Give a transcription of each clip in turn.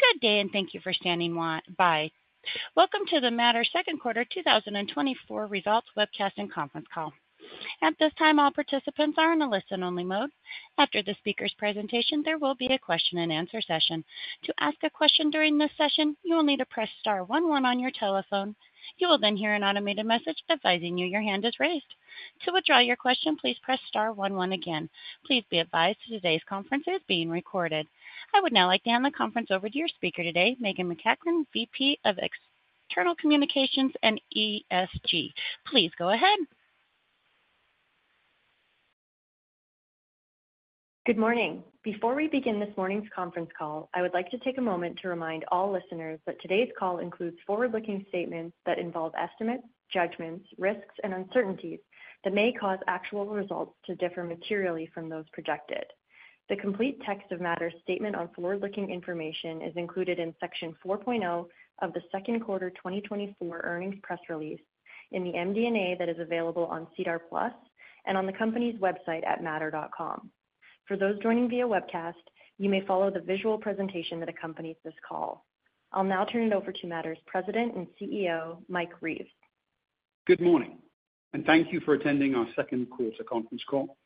Good day, and thank you for standing by. Welcome to the Mattr Second Quarter 2024 results webcast and Conference Call. At this time, all participants are in a listen-only mode. After the speaker's presentation, there will be a question-and-answer session. To ask a question during this session, you will need to press star one one on your telephone. You will then hear an automated message advising you your hand is raised. To withdraw your question, please press star one one again. Please be advised today's conference is being recorded. I would now like to hand the conference over to your speaker today, Meghan MacEachern, VP of External Communications and ESG. Please go ahead. Good morning. Before we begin this morning's conference call, I would like to take a moment to remind all listeners that today's call includes forward-looking statements that involve estimates, judgments, risks, and uncertainties that may cause actual results to differ materially from those projected. The complete text of Mattr's statement on forward-looking information is included in Section 4.0 of the second quarter 2024 earnings press release, in the MD&A that is available on SEDAR+ and on the company's website at mattr.com. For those joining via webcast, you may follow the visual presentation that accompanies this call. I'll now turn it over to Mattr's President and CEO, Mike Reeves. Good morning, and thank you for attending our second quarter conference call.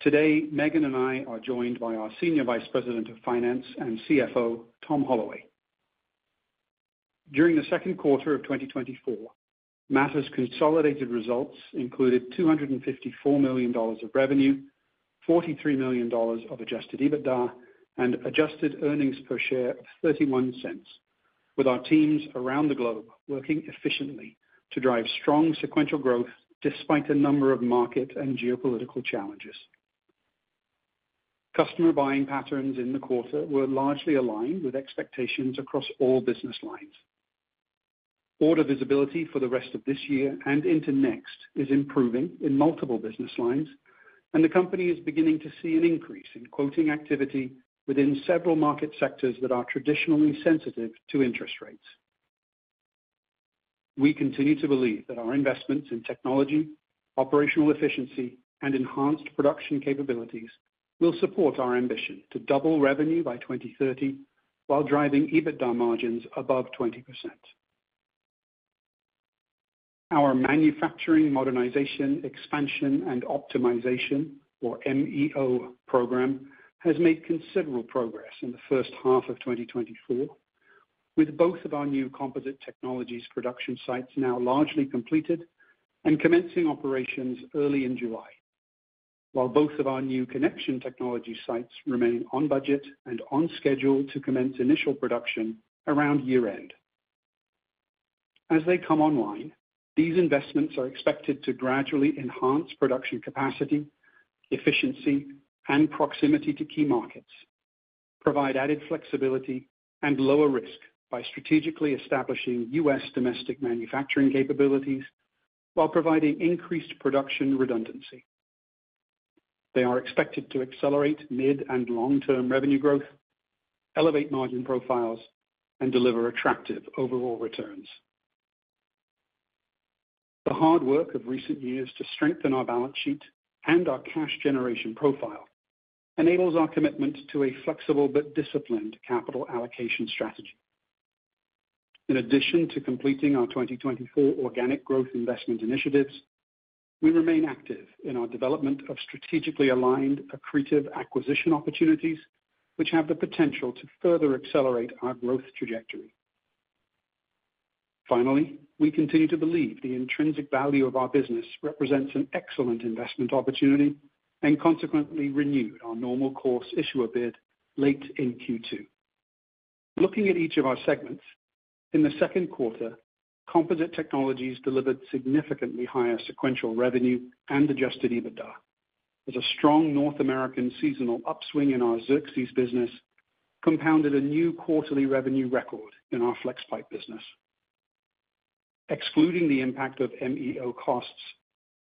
Today, Meghan and I are joined by our Senior Vice President of Finance and CFO, Tom Holloway. During the second quarter of 2024, Mattr's consolidated results included 254 million dollars of revenue, 43 million dollars of Adjusted EBITDA, and adjusted earnings per share of 0.31, with our teams around the globe working efficiently to drive strong sequential growth despite a number of market and geopolitical challenges. Customer buying patterns in the quarter were largely aligned with expectations across all business lines. Order visibility for the rest of this year and into next is improving in multiple business lines, and the company is beginning to see an increase in quoting activity within several market sectors that are traditionally sensitive to interest rates. We continue to believe that our investments in technology, operational efficiency, and enhanced production capabilities will support our ambition to double revenue by 2030 while driving EBITDA margins above 20%. Our manufacturing, modernization, expansion, and optimization, or MFO program, has made considerable progress in the first half of 2024, with both of our new composite technologies production sites now largely completed and commencing operations early in July. While both of our new connection technology sites remain on budget and on schedule to commence initial production around year-end. As they come online, these investments are expected to gradually enhance production capacity, efficiency, and proximity to key markets, provide added flexibility and lower risk by strategically establishing U.S. domestic manufacturing capabilities while providing increased production redundancy. They are expected to accelerate mid- and long-term revenue growth, elevate margin profiles, and deliver attractive overall returns. The hard work of recent years to strengthen our balance sheet and our cash generation profile enables our commitment to a flexible but disciplined capital allocation strategy. In addition to completing our 2024 organic growth investment initiatives, we remain active in our development of strategically aligned, accretive acquisition opportunities, which have the potential to further accelerate our growth trajectory. Finally, we continue to believe the intrinsic value of our business represents an excellent investment opportunity and consequently renewed our Normal Course Issuer Bid late in Q2. Looking at each of our segments, in the second quarter, Composite Technologies delivered significantly higher sequential revenue and Adjusted EBITDA, with a strong North American seasonal upswing in our Xerxes business compounded a new quarterly revenue record in our Flexpipe business. Excluding the impact of MFO costs,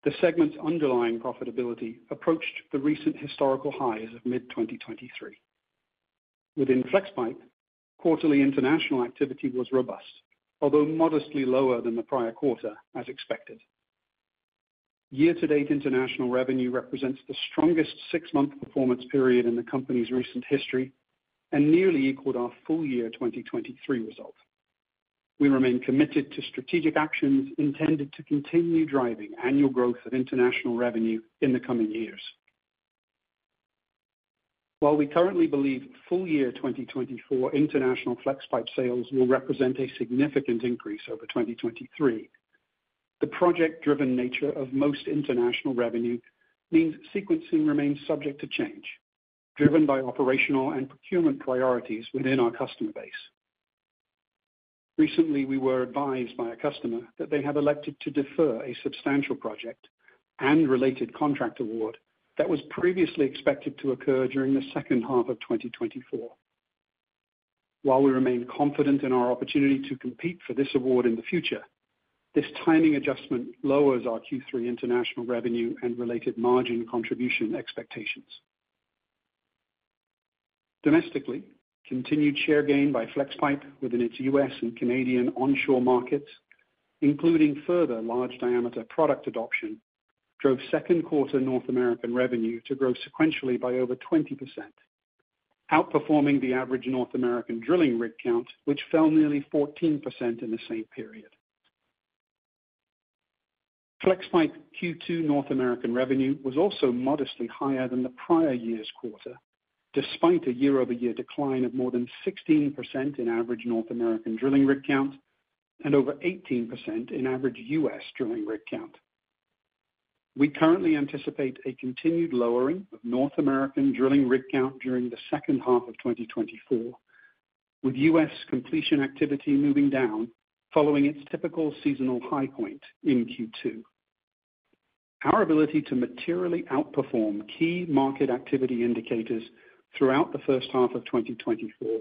the segment's underlying profitability approached the recent historical highs of mid-2023. Within Flexpipe, quarterly international activity was robust, although modestly lower than the prior quarter, as expected. Year-to-date international revenue represents the strongest six-month performance period in the company's recent history and nearly equaled our full year 2023 results. We remain committed to strategic actions intended to continue driving annual growth of international revenue in the coming years. While we currently believe full year 2024 international Flexpipe sales will represent a significant increase over 2023, the project-driven nature of most international revenue means sequencing remains subject to change, driven by operational and procurement priorities within our customer base. Recently, we were advised by a customer that they have elected to defer a substantial project and related contract award that was previously expected to occur during the second half of 2024. While we remain confident in our opportunity to compete for this award in the future, this timing adjustment lowers our Q3 international revenue and related margin contribution expectations. Domestically, continued share gain by Flexpipe within its U.S. and Canadian onshore markets, including further large diameter product adoption, drove second quarter North American revenue to grow sequentially by over 20%, outperforming the average North American drilling rig count, which fell nearly 14% in the same period. Flexpipe Q2 North American revenue was also modestly higher than the prior year's quarter, despite a year-over-year decline of more than 16% in average North American drilling rig count and over 18% in average U.S. drilling rig count. We currently anticipate a continued lowering of North American drilling rig count during the second half of 2024, with U.S. completion activity moving down following its typical seasonal high point in Q2. Our ability to materially outperform key market activity indicators throughout the first half of 2024,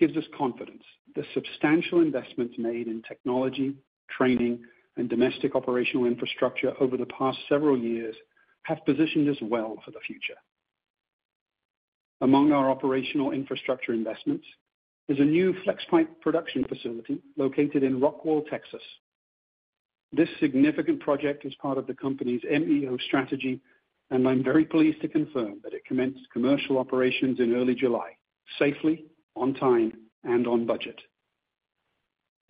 gives us confidence. The substantial investments made in technology, training, and domestic operational infrastructure over the past several years have positioned us well for the future. Among our operational infrastructure investments is a new Flexpipe production facility located in Rockwall, Texas. This significant project is part of the company's MFO strategy, and I'm very pleased to confirm that it commenced commercial operations in early July, safely, on time, and on budget.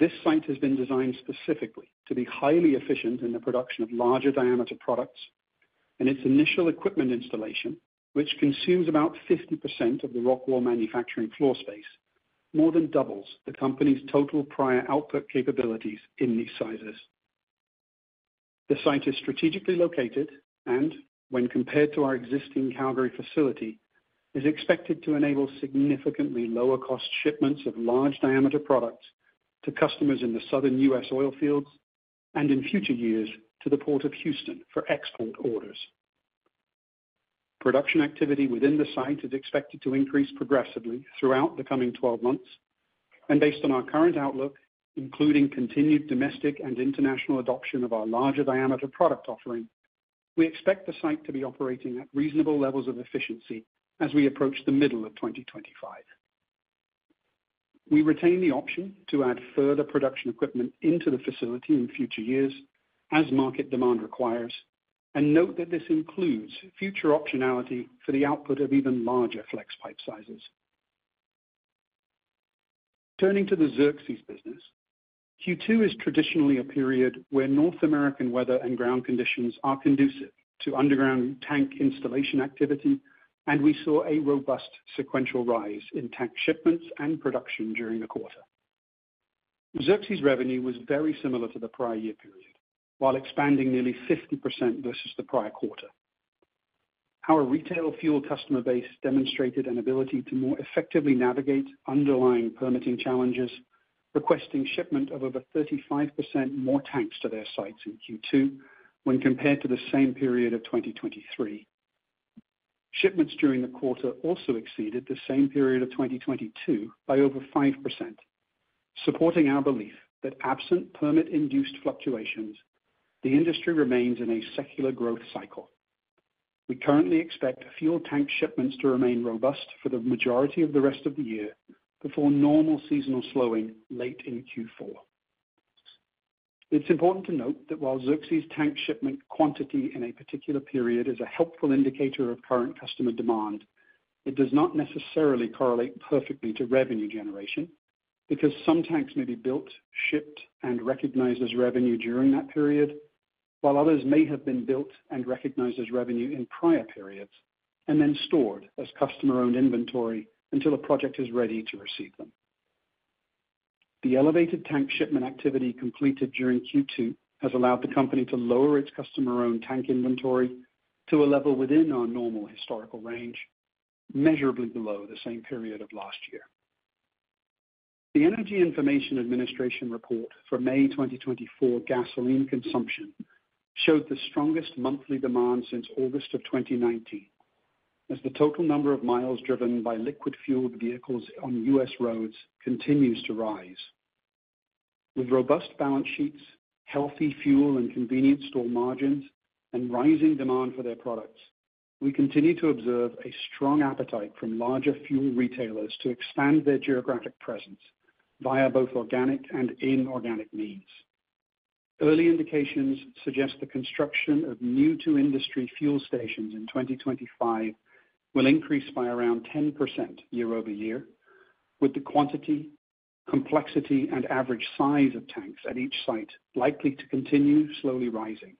This site has been designed specifically to be highly efficient in the production of larger diameter products, and its initial equipment installation, which consumes about 50% of the Rockwall manufacturing floor space, more than doubles the company's total prior output capabilities in these sizes. The site is strategically located and when compared to our existing Calgary facility, is expected to enable significantly lower cost shipments of large diameter products to customers in the Southern U.S. oil fields and in future years, to the Port of Houston for export orders. Production activity within the site is expected to increase progressively throughout the coming 12 months and based on our current outlook, including continued domestic and international adoption of our larger diameter product offering, we expect the site to be operating at reasonable levels of efficiency as we approach the middle of 2025. We retain the option to add further production equipment into the facility in future years as market demand requires, and note that this includes future optionality for the output of even larger Flexpipe sizes. Turning to the Xerxes business, Q2 is traditionally a period where North American weather and ground conditions are conducive to underground tank installation activity, and we saw a robust sequential rise in tank shipments and production during the quarter. Xerxes revenue was very similar to the prior year period, while expanding nearly 50% versus the prior quarter. Our retail fuel customer base demonstrated an ability to more effectively navigate underlying permitting challenges, requesting shipment of over 35% more tanks to their sites in Q2 when compared to the same period of 2023. Shipments during the quarter also exceeded the same period of 2022 by over 5%, supporting our belief that absent permit-induced fluctuations, the industry remains in a secular growth cycle. We currently expect fuel tank shipments to remain robust for the majority of the rest of the year, before normal seasonal slowing late in Q4. It's important to note that while Xerxes tank shipment quantity in a particular period is a helpful indicator of current customer demand, it does not necessarily correlate perfectly to revenue generation, because some tanks may be built, shipped and recognized as revenue during that period, while others may have been built and recognized as revenue in prior periods and then stored as customer-owned inventory until a project is ready to receive them. The elevated tank shipment activity completed during Q2 has allowed the company to lower its customer-owned tank inventory to a level within our normal historical range, measurably below the same period of last year. The Energy Information Administration report for May 2024 gasoline consumption showed the strongest monthly demand since August 2019, as the total number of miles driven by liquid fueled vehicles on U.S. roads continues to rise. With robust balance sheets, healthy fuel and convenience store margins, and rising demand for their products, we continue to observe a strong appetite from larger fuel retailers to expand their geographic presence via both organic and inorganic means. Early indications suggest the construction of new to industry fuel stations in 2025 will increase by around 10% year-over-year, with the quantity, complexity, and average size of tanks at each site likely to continue slowly rising.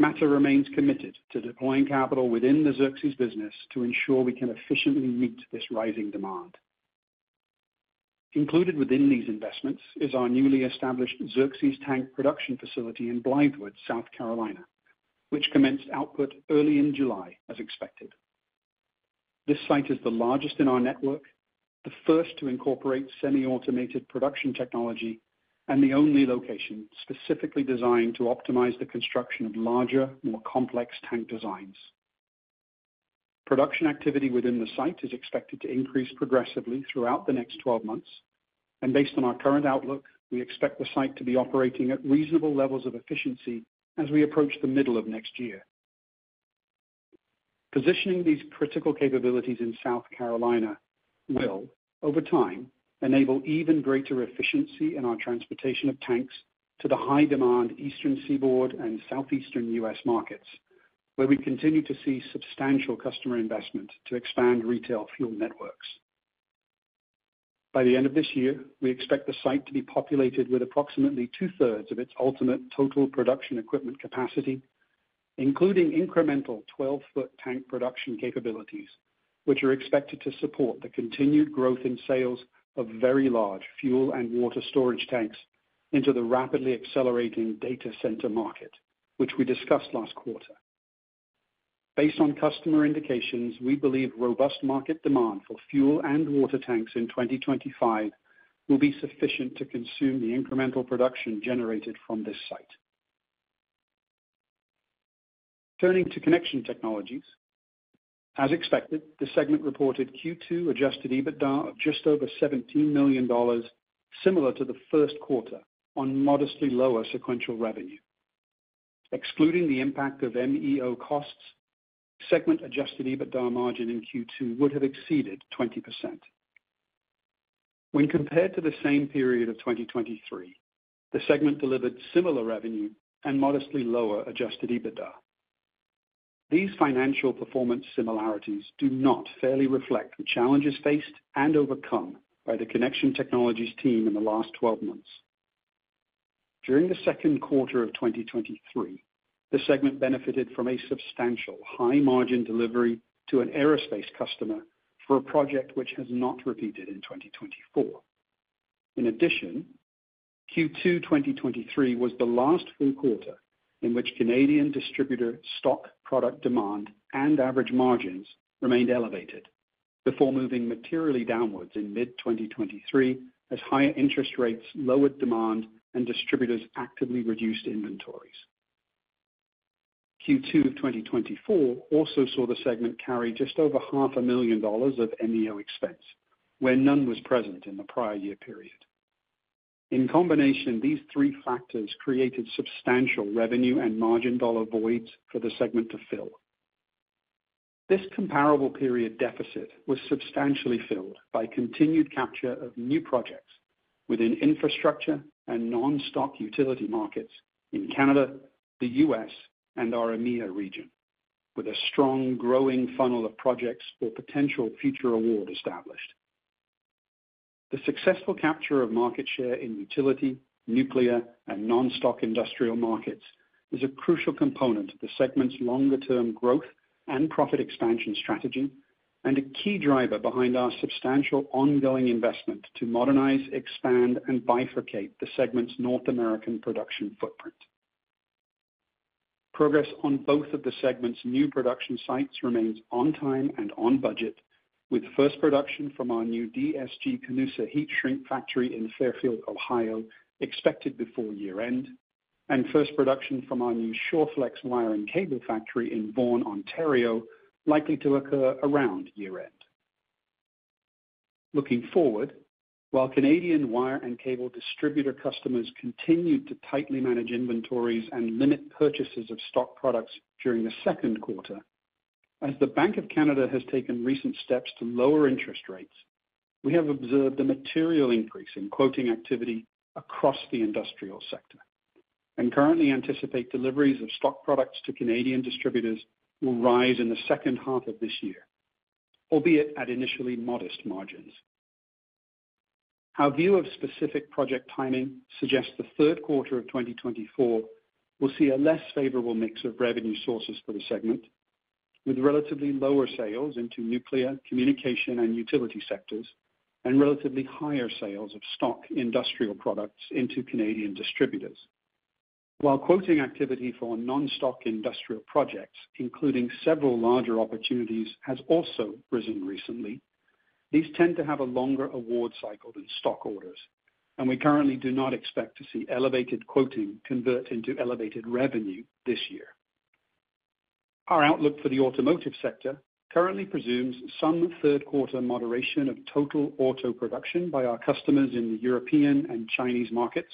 Mattr remains committed to deploying capital within the Xerxes business to ensure we can efficiently meet this rising demand. Included within these investments is our newly established Xerxes tank production facility in Blythewood, South Carolina, which commenced output early in July, as expected. This site is the largest in our network, the first to incorporate semi-automated production technology, and the only location specifically designed to optimize the construction of larger, more complex tank designs. Production activity within the site is expected to increase progressively throughout the next twelve months, and based on our current outlook, we expect the site to be operating at reasonable levels of efficiency as we approach the middle of next year. Positioning these critical capabilities in South Carolina will, over time, enable even greater efficiency in our transportation of tanks to the high demand Eastern Seaboard and Southeastern U.S. markets, where we continue to see substantial customer investment to expand retail fuel networks. By the end of this year, we expect the site to be populated with approximately two-thirds of its ultimate total production equipment capacity, including incremental 12-foot tank production capabilities, which are expected to support the continued growth in sales of very large fuel and water storage tanks into the rapidly accelerating data center market, which we discussed last quarter. Based on customer indications, we believe robust market demand for fuel and water tanks in 2025 will be sufficient to consume the incremental production generated from this site. Turning to Connection Technologies: As expected, the segment reported Q2 Adjusted EBITDA of just over 17 million dollars, similar to the first quarter, on modestly lower sequential revenue. Excluding the impact of MFO costs, segment Adjusted EBITDA margin in Q2 would have exceeded 20%. When compared to the same period of 2023, the segment delivered similar revenue and modestly lower Adjusted EBITDA. These financial performance similarities do not fairly reflect the challenges faced and overcome by the Connection Technologies team in the last 12 months. During the second quarter of 2023, the segment benefited from a substantial high-margin delivery to an aerospace customer for a project which has not repeated in 2024. In addition, Q2 2023 was the last full quarter in which Canadian distributor stock product demand and average margins remained elevated before moving materially downwards in mid-2023, as higher interest rates lowered demand and distributors actively reduced inventories. Q2 of 2024 also saw the segment carry just over 500,000 dollars of MFO expense, where none was present in the prior year period. In combination, these three factors created substantial revenue and margin dollar voids for the segment to fill. This comparable period deficit was substantially filled by continued capture of new projects within infrastructure and non-stock utility markets in Canada, the U.S., and our EMEA region, with a strong, growing funnel of projects or potential future award established. The successful capture of market share in utility, nuclear, and non-stock industrial markets is a crucial component of the segment's longer-term growth and profit expansion strategy, and a key driver behind our substantial ongoing investment to modernize, expand, and bifurcate the segment's North American production footprint. Progress on both of the segment's new production sites remains on time and on budget, with first production from our new DSG-Canusa heat shrink factory in Fairfield, Ohio, expected before year-end, and first production from our new Shawflex Wire and Cable factory in Vaughan, Ontario, likely to occur around year-end. Looking forward, while Canadian wire and cable distributor customers continued to tightly manage inventories and limit purchases of stock products during the second quarter, as the Bank of Canada has taken recent steps to lower interest rates, we have observed a material increase in quoting activity across the industrial sector, and currently anticipate deliveries of stock products to Canadian distributors will rise in the second half of this year, albeit at initially modest margins. Our view of specific project timing suggests the third quarter of 2024 will see a less favorable mix of revenue sources for the segment, with relatively lower sales into nuclear, communication, and utility sectors, and relatively higher sales of stock industrial products into Canadian distributors. While quoting activity for non-stock industrial projects, including several larger opportunities, has also risen recently, these tend to have a longer award cycle than stock orders, and we currently do not expect to see elevated quoting convert into elevated revenue this year. Our outlook for the automotive sector currently presumes some third quarter moderation of total auto production by our customers in the European and Chinese markets,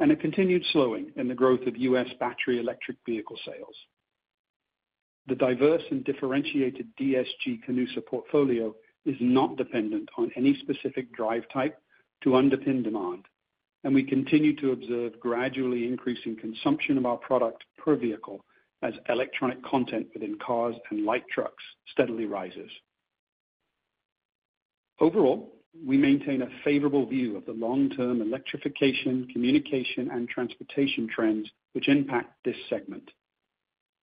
and a continued slowing in the growth of U.S. battery electric vehicle sales. The diverse and differentiated DSG-Canusa portfolio is not dependent on any specific drive type to underpin demand, and we continue to observe gradually increasing consumption of our product per vehicle as electronic content within cars and light trucks steadily rises. Overall, we maintain a favorable view of the long-term electrification, communication, and transportation trends which impact this segment.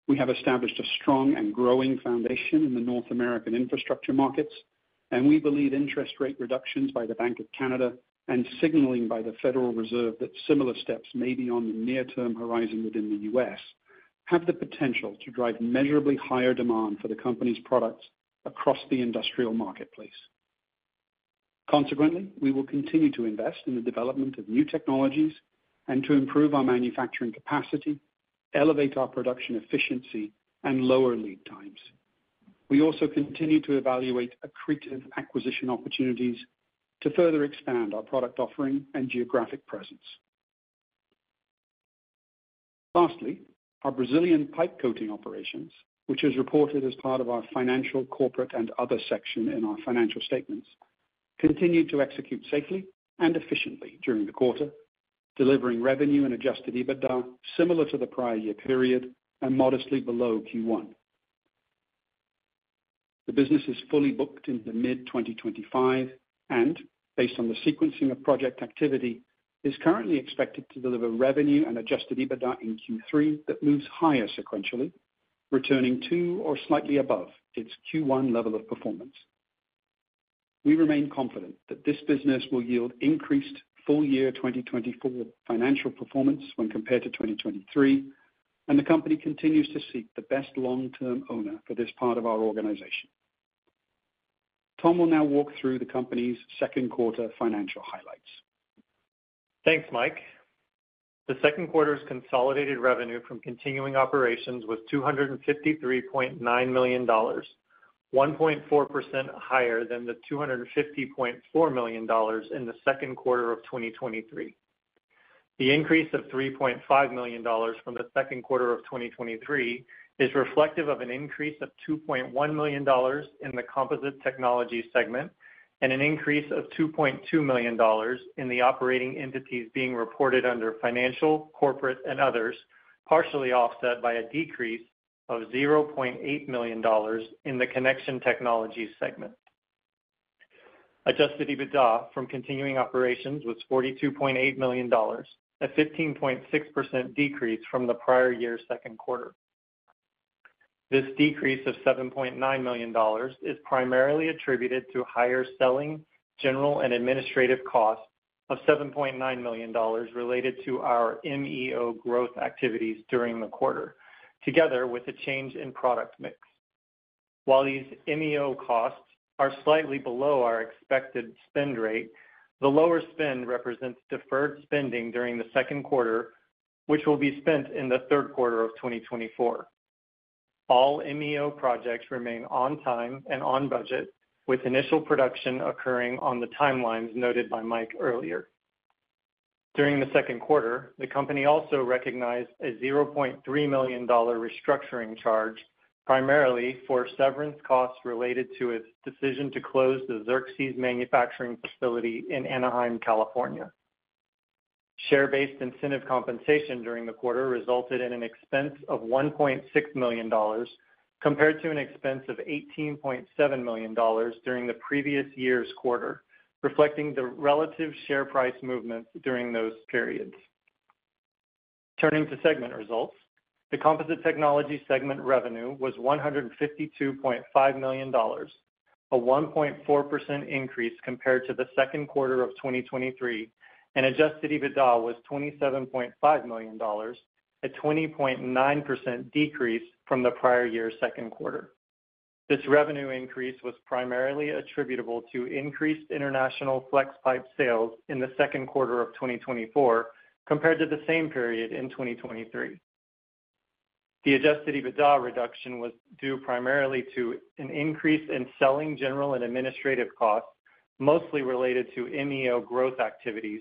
We have established a strong and growing foundation in the North American infrastructure markets, and we believe interest rate reductions by the Bank of Canada and signaling by the Federal Reserve that similar steps may be on the near-term horizon within the U.S., have the potential to drive measurably higher demand for the company's products across the industrial marketplace. Consequently, we will continue to invest in the development of new technologies and to improve our manufacturing capacity, elevate our production efficiency, and lower lead times. We also continue to evaluate accretive acquisition opportunities to further expand our product offering and geographic presence. Lastly, our Brazilian pipe coating operations, which is reported as part of our Financial, Corporate, and Other section in our financial statements, continued to execute safely and efficiently during the quarter, delivering revenue and Adjusted EBITDA similar to the prior year period and modestly below Q1. The business is fully booked into mid-2025 and, based on the sequencing of project activity, is currently expected to deliver revenue and Adjusted EBITDA in Q3 that moves higher sequentially, returning to or slightly above its Q1 level of performance. We remain confident that this business will yield increased full year 2024 financial performance when compared to 2023, and the company continues to seek the best long-term owner for this part of our organization. Tom will now walk through the company's second quarter financial highlights. Thanks, Mike. The second quarter's consolidated revenue from continuing operations was 253.9 million dollars, 1.4% higher than the 250.4 million dollars in the second quarter of 2023. The increase of 3.5 million dollars from the second quarter of 2023 is reflective of an increase of 2.1 million dollars in the Composite Technologies segment and an increase of 2.2 million dollars in the operating entities being reported under Financial, Corporate and Others, partially offset by a decrease of 0.8 million dollars in the Connection Technologies segment. Adjusted EBITDA from continuing operations was 42.8 million dollars, a 15.6% decrease from the prior year's second quarter. This decrease of 7.9 million dollars is primarily attributed to higher selling, general, and administrative costs of 7.9 million dollars related to our MFO growth activities during the quarter, together with a change in product mix. While these MFO costs are slightly below our expected spend rate, the lower spend represents deferred spending during the second quarter, which will be spent in the third quarter of 2024. All MFO projects remain on time and on budget, with initial production occurring on the timelines noted by Mike earlier. During the second quarter, the company also recognized a 0.3 million dollar restructuring charge, primarily for severance costs related to its decision to close the Xerxes manufacturing facility in Anaheim, California. Share-based incentive compensation during the quarter resulted in an expense of 1.6 million dollars, compared to an expense of 18.7 million dollars during the previous year's quarter, reflecting the relative share price movements during those periods. Turning to segment results, the Composite Technologies segment revenue was 152.5 million dollars, a 1.4% increase compared to the second quarter of 2023, and Adjusted EBITDA was 27.5 million dollars, a 20.9% decrease from the prior year's second quarter. This revenue increase was primarily attributable to increased international Flexpipe sales in the second quarter of 2024 compared to the same period in 2023. The Adjusted EBITDA reduction was due primarily to an increase in selling general and administrative costs, mostly related to MFO growth activities,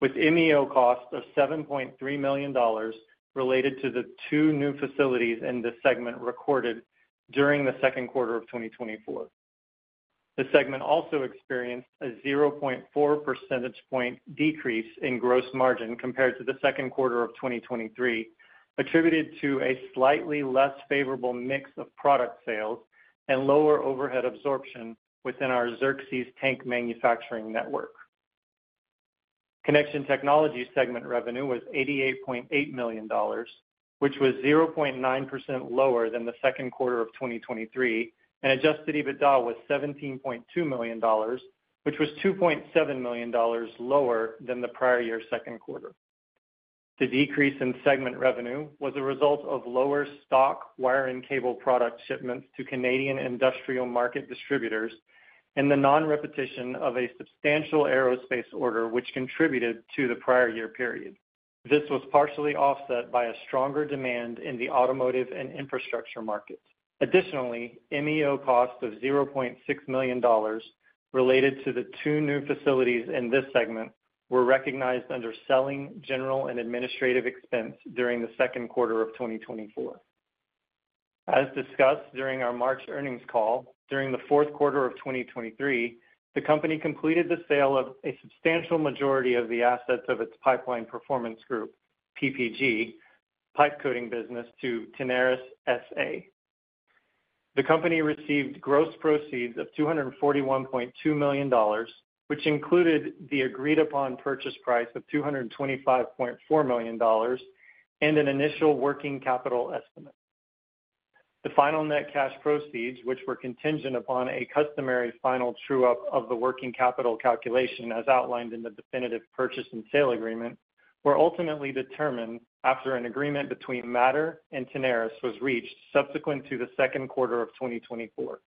with MFO costs of 7.3 million dollars related to the two new facilities in this segment recorded during the second quarter of 2024. The segment also experienced a 0.4 percentage point decrease in gross margin compared to the second quarter of 2023, attributed to a slightly less favorable mix of product sales and lower overhead absorption within our Xerxes tank manufacturing network. Connection Technologies segment revenue was 88.8 million dollars, which was 0.9% lower than the second quarter of 2023, and Adjusted EBITDA was 17.2 million dollars, which was 2.7 million dollars lower than the prior year's second quarter. The decrease in segment revenue was a result of lower stock, wire, and cable product shipments to Canadian industrial market distributors and the non-repetition of a substantial aerospace order, which contributed to the prior year period. This was partially offset by a stronger demand in the automotive and infrastructure markets. Additionally, MFO costs of $0.6 million related to the two new facilities in this segment were recognized under selling, general, and administrative expense during the second quarter of 2024. As discussed during our March earnings call, during the fourth quarter of 2023, the company completed the sale of a substantial majority of the assets of its Pipeline Performance Group, PPG, pipe coating business to Tenaris S.A. The company received gross proceeds of $241.2 million, which included the agreed-upon purchase price of $225.4 million and an initial working capital estimate. The final net cash proceeds, which were contingent upon a customary final true-up of the working capital calculation, as outlined in the definitive purchase and sale agreement, were ultimately determined after an agreement between Mattr and Tenaris was reached subsequent to the second quarter of 2024.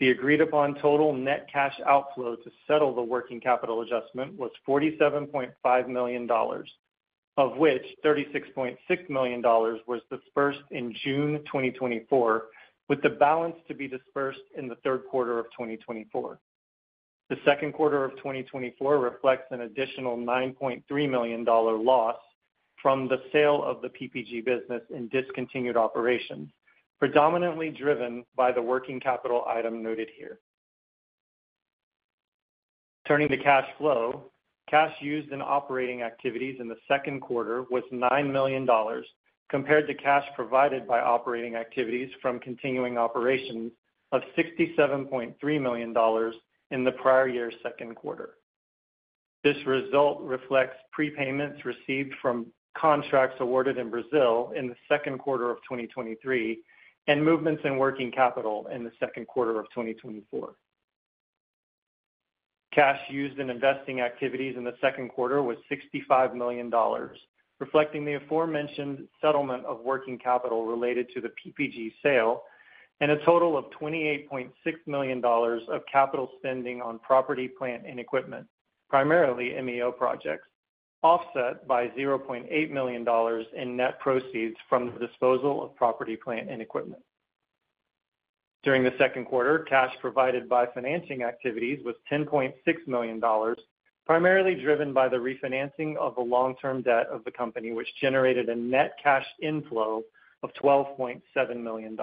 The agreed-upon total net cash outflow to settle the working capital adjustment was $47.5 million, of which $36.6 million was dispersed in June 2024, with the balance to be dispersed in the third quarter of 2024. The second quarter of 2024 reflects an additional $9.3 million loss from the sale of the PPG business in discontinued operations, predominantly driven by the working capital item noted here. Turning to cash flow, cash used in operating activities in the second quarter was $9 million, compared to cash provided by operating activities from continuing operations of $67.3 million in the prior year's second quarter. This result reflects prepayments received from contracts awarded in Brazil in the second quarter of 2023, and movements in working capital in the second quarter of 2024. Cash used in investing activities in the second quarter was $65 million, reflecting the aforementioned settlement of working capital related to the PPG sale and a total of $28.6 million of capital spending on property, plant, and equipment, primarily MFO projects, offset by $0.8 million in net proceeds from the disposal of property, plant, and equipment. During the second quarter, cash provided by financing activities was $10.6 million, primarily driven by the refinancing of the long-term debt of the company, which generated a net cash inflow of $12.7 million.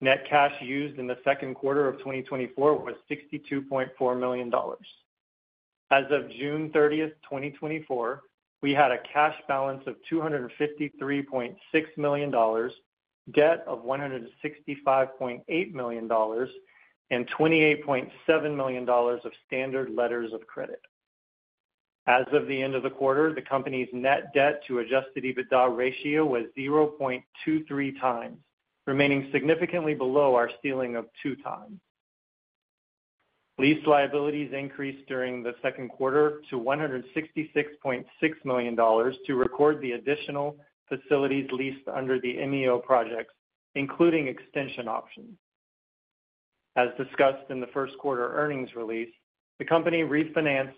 Net cash used in the second quarter of 2024 was $62.4 million. As of June thirtieth, 2024, we had a cash balance of 253.6 million dollars, debt of 165.8 million dollars, and 28.7 million dollars of standard letters of credit. As of the end of the quarter, the company's net debt to Adjusted EBITDA ratio was 0.23 times, remaining significantly below our ceiling of 2 times. Lease liabilities increased during the second quarter to 166.6 million dollars to record the additional facilities leased under the MFO projects, including extension options. As discussed in the first quarter earnings release, the company refinanced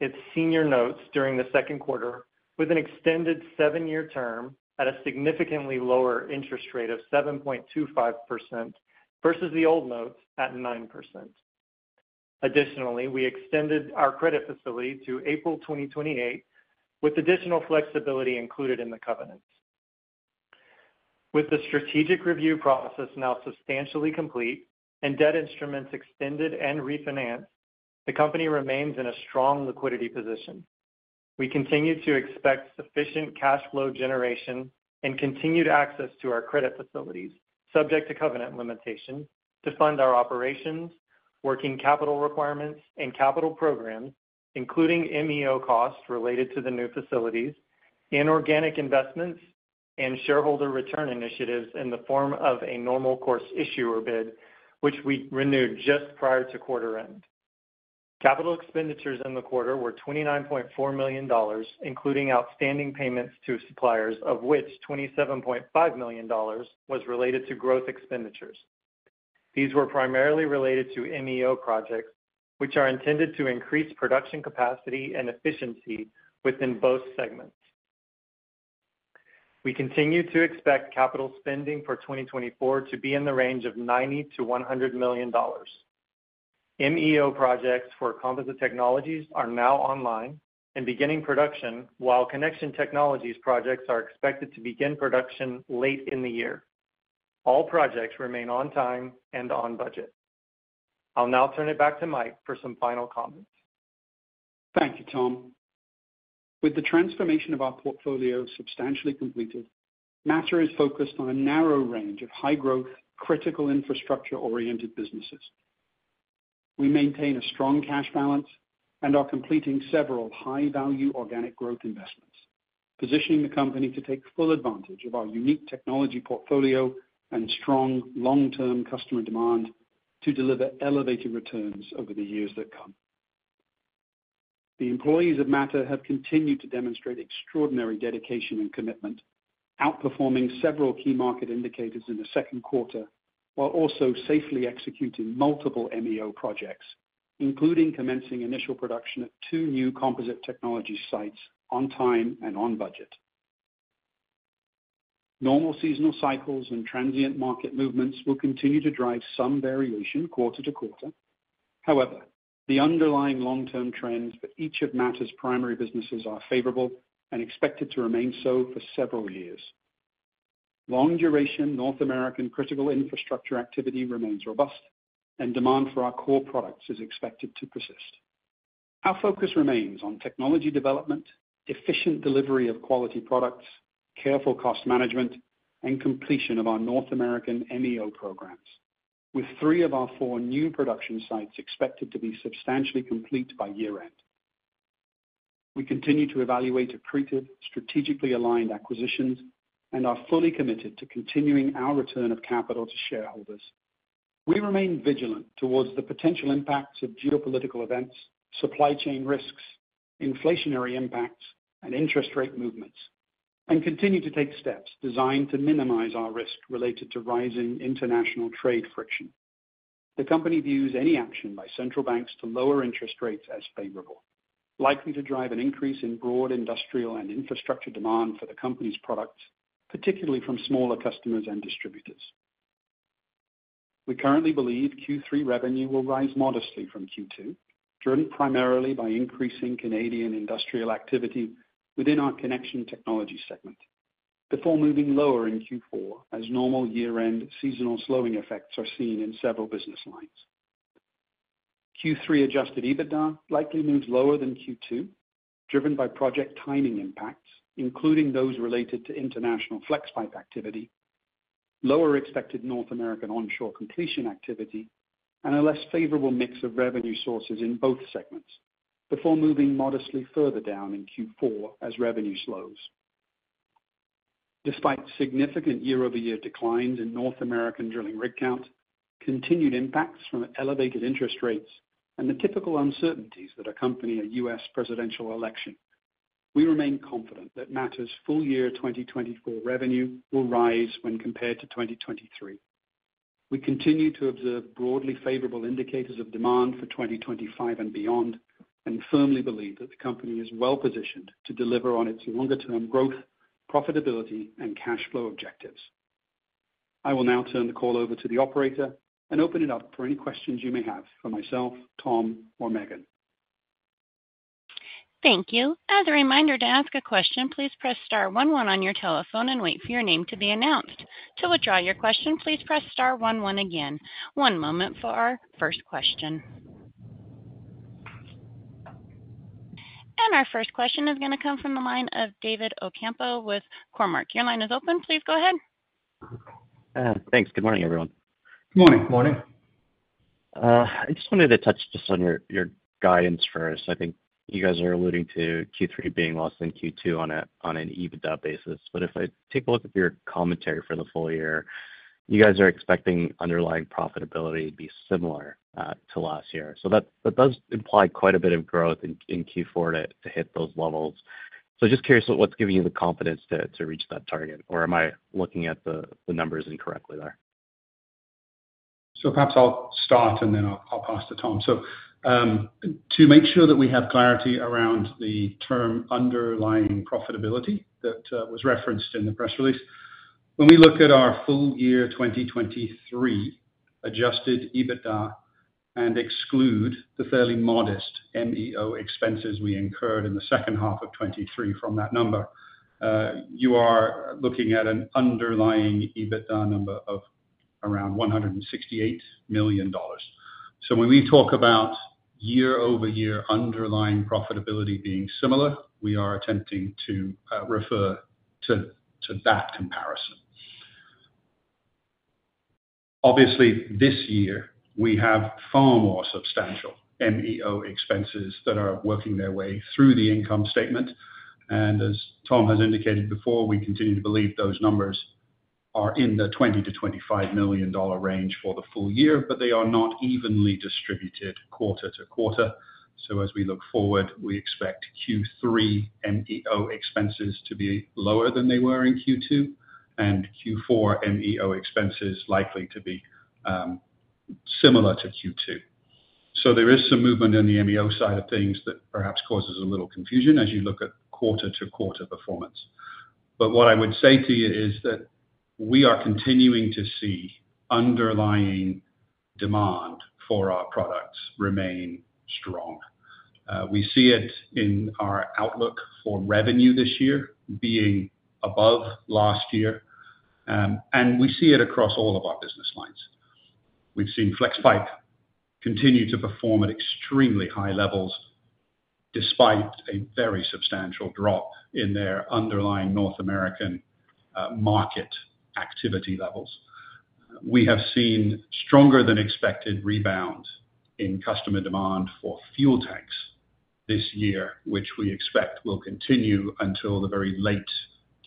its senior notes during the second quarter with an extended seven-year term at a significantly lower interest rate of 7.25%, versus the old notes at 9%. Additionally, we extended our credit facility to April 2028, with additional flexibility included in the covenants. With the strategic review process now substantially complete and debt instruments extended and refinanced, the company remains in a strong liquidity position. We continue to expect sufficient cash flow generation and continued access to our credit facilities, subject to covenant limitations, to fund our operations, working capital requirements, and capital programs, including MFO costs related to the new facilities, inorganic investments, and shareholder return initiatives in the form of a Normal Course Issuer Bid, which we renewed just prior to quarter end. Capital expenditures in the quarter were 29.4 million dollars, including outstanding payments to suppliers, of which 27.5 million dollars was related to growth expenditures. These were primarily related to MFO projects, which are intended to increase production capacity and efficiency within both segments. We continue to expect capital spending for 2024 to be in the range of 90 million-100 million dollars. MFO projects for Composite Technologies are now online and beginning production, while Connection Technologies projects are expected to begin production late in the year. All projects remain on time and on budget. I'll now turn it back to Mike for some final comments. Thank you, Tom. With the transformation of our portfolio substantially completed, Mattr is focused on a narrow range of high-growth, critical infrastructure-oriented businesses. We maintain a strong cash balance and are completing several high-value organic growth investments, positioning the company to take full advantage of our unique technology portfolio and strong long-term customer demand to deliver elevated returns over the years that come. The employees of Mattr have continued to demonstrate extraordinary dedication and commitment, outperforming several key market indicators in the second quarter, while also safely executing multiple MFO projects, including commencing initial production at two new Composite Technologies sites on time and on budget. Normal seasonal cycles and transient market movements will continue to drive some variation quarter to quarter. However, the underlying long-term trends for each of Mattr's primary businesses are favorable and expected to remain so for several years. Long-duration North American critical infrastructure activity remains robust, and demand for our core products is expected to persist. Our focus remains on technology development, efficient delivery of quality products, careful cost management, and completion of our North American MFO programs, with three of our four new production sites expected to be substantially complete by year-end. We continue to evaluate accretive, strategically aligned acquisitions and are fully committed to continuing our return of capital to shareholders. We remain vigilant towards the potential impacts of geopolitical events, supply chain risks, inflationary impacts, and interest rate movements, and continue to take steps designed to minimize our risk related to rising international trade friction. The company views any action by central banks to lower interest rates as favorable.... likely to drive an increase in broad industrial and infrastructure demand for the company's products, particularly from smaller customers and distributors. We currently believe Q3 revenue will rise modestly from Q2, driven primarily by increasing Canadian industrial activity within our Connection Technologies segment, before moving lower in Q4 as normal year-end seasonal slowing effects are seen in several business lines. Q3 Adjusted EBITDA likely moves lower than Q2, driven by project timing impacts, including those related to international Flexpipe activity, lower expected North American onshore completion activity, and a less favorable mix of revenue sources in both segments, before moving modestly further down in Q4 as revenue slows. Despite significant year-over-year declines in North American drilling rig count, continued impacts from elevated interest rates and the typical uncertainties that accompany a U.S. presidential election, we remain confident that Mattr's full year 2024 revenue will rise when compared to 2023. We continue to observe broadly favorable indicators of demand for 2025 and beyond, and firmly believe that the company is well-positioned to deliver on its longer-term growth, profitability, and cash flow objectives. I will now turn the call over to the operator and open it up for any questions you may have for myself, Tom, or Meghan. Thank you. As a reminder, to ask a question, please press star one one on your telephone and wait for your name to be announced. To withdraw your question, please press star one one again. One moment for our first question. Our first question is gonna come from the line of David Ocampo with Cormark. Your line is open. Please go ahead. Thanks. Good morning, everyone. Good morning. Good morning. I just wanted to touch just on your guidance first. I think you guys are alluding to Q3 being less than Q2 on an EBITDA basis. But if I take a look at your commentary for the full year, you guys are expecting underlying profitability to be similar to last year. So that does imply quite a bit of growth in Q4 to hit those levels. So just curious what's giving you the confidence to reach that target, or am I looking at the numbers incorrectly there? So perhaps I'll start, and then I'll pass to Tom. So, to make sure that we have clarity around the term underlying profitability that was referenced in the press release, when we look at our full year 2023 Adjusted EBITDA and exclude the fairly modest MFO expenses we incurred in the second half of 2023 from that number, you are looking at an underlying EBITDA number of around $168 million. So when we talk about year-over-year underlying profitability being similar, we are attempting to refer to that comparison. Obviously, this year, we have far more substantial MFO expenses that are working their way through the income statement, and as Tom has indicated before, we continue to believe those numbers are in the $20 million-$25 million range for the full year, but they are not evenly distributed quarter to quarter. So as we look forward, we expect Q3 MFO expenses to be lower than they were in Q2, and Q4 MFO expenses likely to be similar to Q2. So there is some movement in the MFO side of things that perhaps causes a little confusion as you look at quarter-to-quarter performance. But what I would say to you is that we are continuing to see underlying demand for our products remain strong. We see it in our outlook for revenue this year being above last year, and we see it across all of our business lines. We've seen Flexpipe continue to perform at extremely high levels, despite a very substantial drop in their underlying North American market activity levels. We have seen stronger than expected rebound in customer demand for fuel tanks this year, which we expect will continue until the very late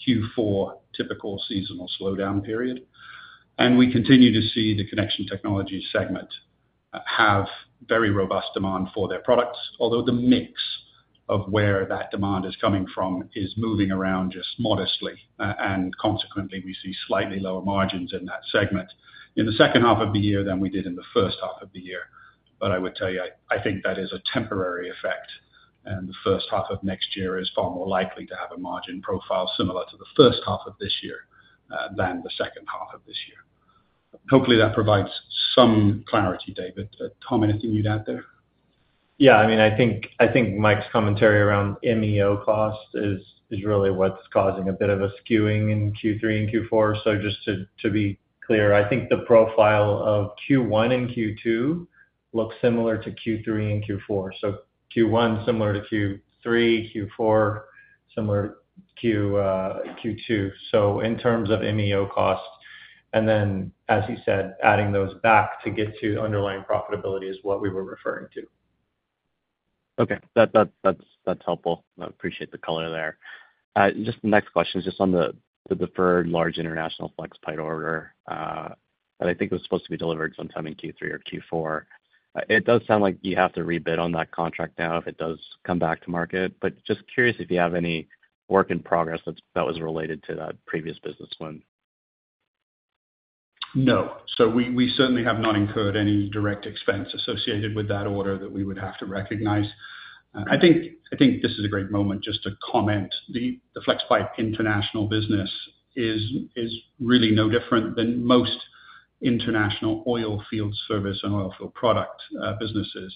Q4 typical seasonal slowdown period. And we continue to see the Connection Technologies segment have very robust demand for their products, although the mix of where that demand is coming from is moving around just modestly, and consequently, we see slightly lower margins in that segment in the second half of the year than we did in the first half of the year. But I would tell you, I think that is a temporary effect, and the first half of next year is far more likely to have a margin profile similar to the first half of this year, than the second half of this year. Hopefully, that provides some clarity, David. Tom, anything you'd add there? Yeah, I mean, I think, I think Mike's commentary around MFO cost is, is really what's causing a bit of a skewing in Q3 and Q4. So just to, to be clear, I think the profile of Q1 and Q2 looks similar to Q3 and Q4. So Q1, similar to Q3, Q4, similar to Q2. So in terms of MFO costs, and then, as you said, adding those back to get to underlying profitability is what we were referring to. Okay. That's helpful. I appreciate the color there. Just the next question is just on the deferred large international Flexpipe order that I think was supposed to be delivered sometime in Q3 or Q4. It does sound like you have to rebid on that contract now if it does come back to market, but just curious if you have any work in progress that was related to that previous business win?... No. So we certainly have not incurred any direct expense associated with that order that we would have to recognize. I think this is a great moment just to comment. The Flexpipe international business is really no different than most international oil field service and oil field product businesses.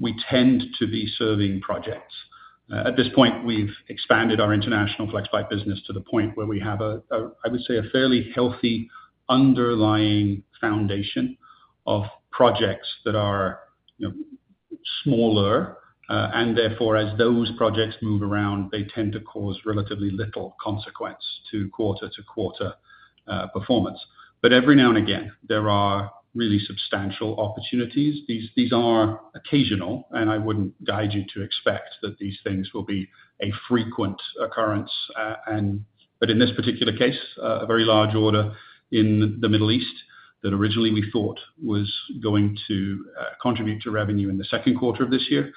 We tend to be serving projects. At this point, we've expanded our international Flexpipe business to the point where we have a I would say a fairly healthy underlying foundation of projects that are you know smaller. And therefore, as those projects move around, they tend to cause relatively little consequence to quarter-to-quarter performance. But every now and again, there are really substantial opportunities. These are occasional, and I wouldn't guide you to expect that these things will be a frequent occurrence. But in this particular case, a very large order in the Middle East that originally we thought was going to contribute to revenue in the second quarter of this year,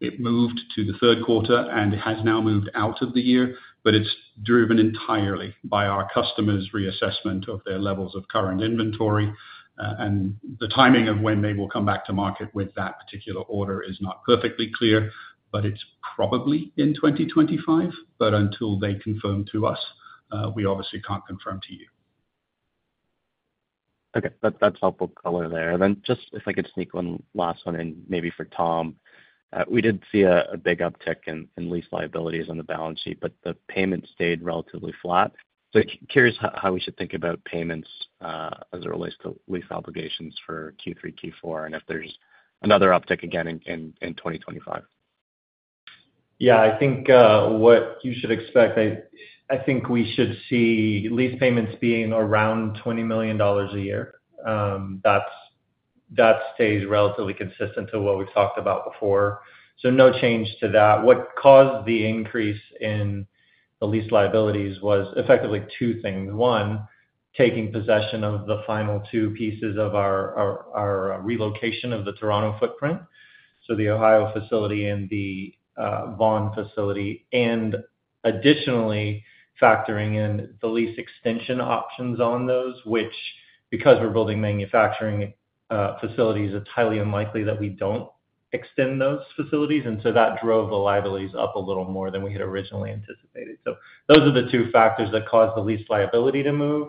it moved to the third quarter, and it has now moved out of the year, but it's driven entirely by our customers' reassessment of their levels of current inventory, and the timing of when they will come back to market with that particular order is not perfectly clear, but it's probably in 2025, but until they confirm to us, we obviously can't confirm to you. Okay, that, that's helpful color there. And then just if I could sneak one last one in, maybe for Tom. We did see a big uptick in lease liabilities on the balance sheet, but the payment stayed relatively flat. So curious how we should think about payments as it relates to lease obligations for Q3, Q4, and if there's another uptick again in 2025. Yeah. I think what you should expect, I think we should see lease payments being around 20 million dollars a year. That's that stays relatively consistent to what we've talked about before, so no change to that. What caused the increase in the lease liabilities was effectively two things. One, taking possession of the final two pieces of our relocation of the Toronto footprint, so the Ohio facility and the Vaughan facility, and additionally factoring in the lease extension options on those, which, because we're building manufacturing facilities, it's highly unlikely that we don't extend those facilities, and so that drove the liabilities up a little more than we had originally anticipated. So those are the two factors that caused the lease liability to move,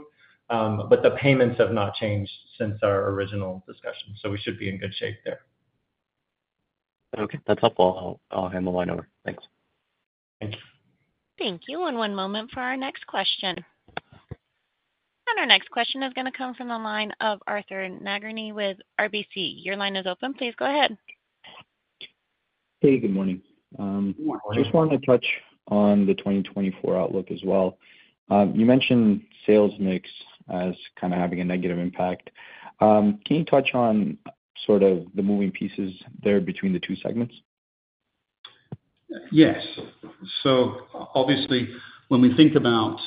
but the payments have not changed since our original discussion, so we should be in good shape there. Okay, that's helpful. I'll, I'll hand the line over. Thanks. Thank you. Thank you, one moment for our next question. Our next question is gonna come from the line of Arthur Nagorny with RBC. Your line is open. Please go ahead. Hey, good morning. Good morning. Just wanted to touch on the 2024 outlook as well. You mentioned sales mix as kind of having a negative impact. Can you touch on sort of the moving pieces there between the two segments? Yes. So obviously, when we think about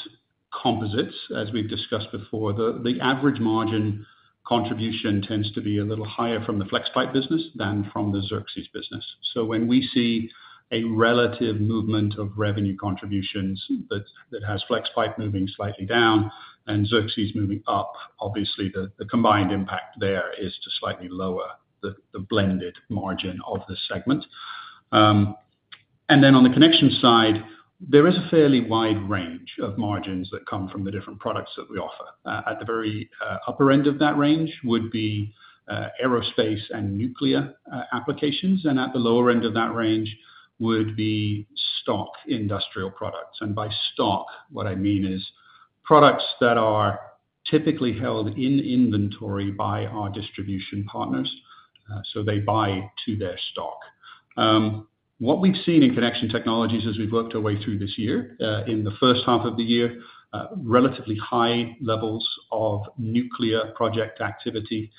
composites, as we've discussed before, the average margin contribution tends to be a little higher from the Flexpipe business than from the Xerxes business. So when we see a relative movement of revenue contributions that has Flexpipe moving slightly down and Xerxes moving up, obviously, the combined impact there is to slightly lower the blended margin of the segment. And then on the connection side, there is a fairly wide range of margins that come from the different products that we offer. At the very upper end of that range would be aerospace and nuclear applications, and at the lower end of that range would be stock industrial products. By stock, what I mean is products that are typically held in inventory by our distribution partners, so they buy to their stock. What we've seen in Connection Technologies as we've worked our way through this year, in the first half of the year, relatively high levels of nuclear project activity,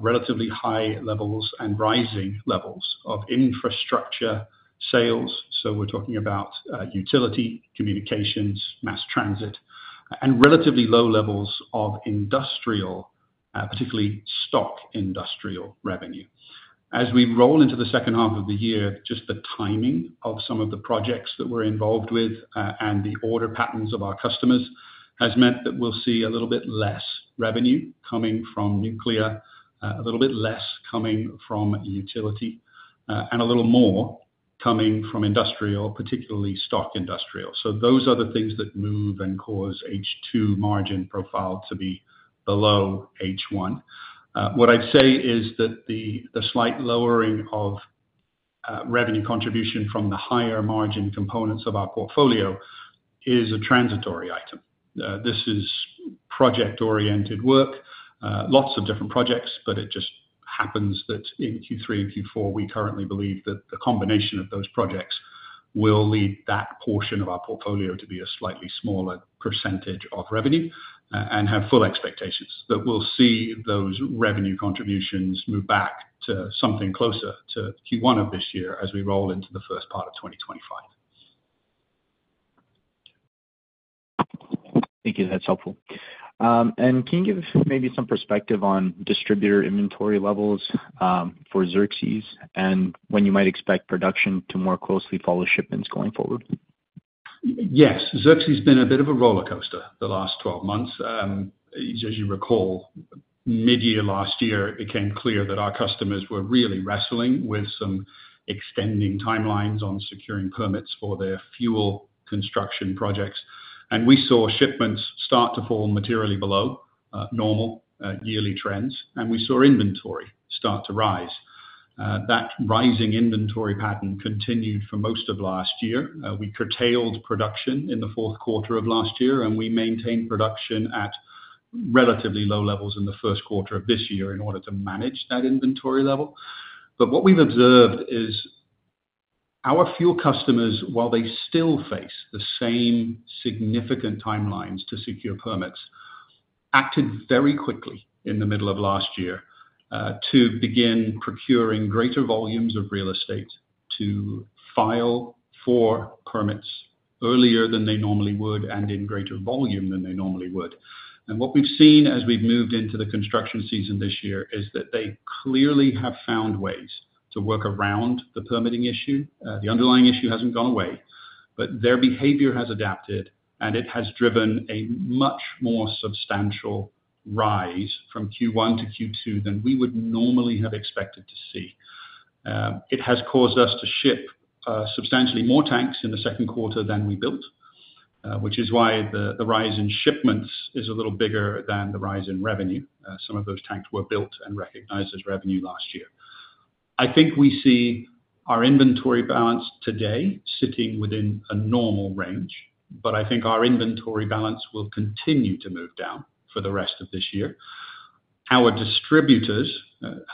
relatively high levels and rising levels of infrastructure sales, so we're talking about utility, communications, mass transit, and relatively low levels of industrial, particularly stock industrial revenue. As we roll into the second half of the year, just the timing of some of the projects that we're involved with, and the order patterns of our customers, has meant that we'll see a little bit less revenue coming from nuclear, a little bit less coming from utility, and a little more coming from industrial, particularly stock industrial. So those are the things that move and cause H2 margin profile to be below H1. What I'd say is that the slight lowering of revenue contribution from the higher margin components of our portfolio is a transitory item. This is project-oriented work, lots of different projects, but it just happens that in Q3 and Q4, we currently believe that the combination of those projects will lead that portion of our portfolio to be a slightly smaller percentage of revenue, and have full expectations that we'll see those revenue contributions move back to something closer to Q1 of this year as we roll into the first part of 2025. Thank you. That's helpful. And can you give maybe some perspective on distributor inventory levels, for Xerxes, and when you might expect production to more closely follow shipments going forward?... Yes, Xerxes has been a bit of a rollercoaster the last 12 months. As you recall, mid-year last year, it became clear that our customers were really wrestling with some extending timelines on securing permits for their fuel construction projects. We saw shipments start to fall materially below normal yearly trends, and we saw inventory start to rise. That rising inventory pattern continued for most of last year. We curtailed production in the fourth quarter of last year, and we maintained production at relatively low levels in the first quarter of this year in order to manage that inventory level. What we've observed is our fuel customers, while they still face the same significant timelines to secure permits, acted very quickly in the middle of last year to begin procuring greater volumes of real estate, to file for permits earlier than they normally would and in greater volume than they normally would. What we've seen as we've moved into the construction season this year is that they clearly have found ways to work around the permitting issue. The underlying issue hasn't gone away, but their behavior has adapted, and it has driven a much more substantial rise from Q1 to Q2 than we would normally have expected to see. It has caused us to ship substantially more tanks in the second quarter than we built, which is why the rise in shipments is a little bigger than the rise in revenue. Some of those tanks were built and recognized as revenue last year. I think we see our inventory balance today sitting within a normal range, but I think our inventory balance will continue to move down for the rest of this year. Our distributors,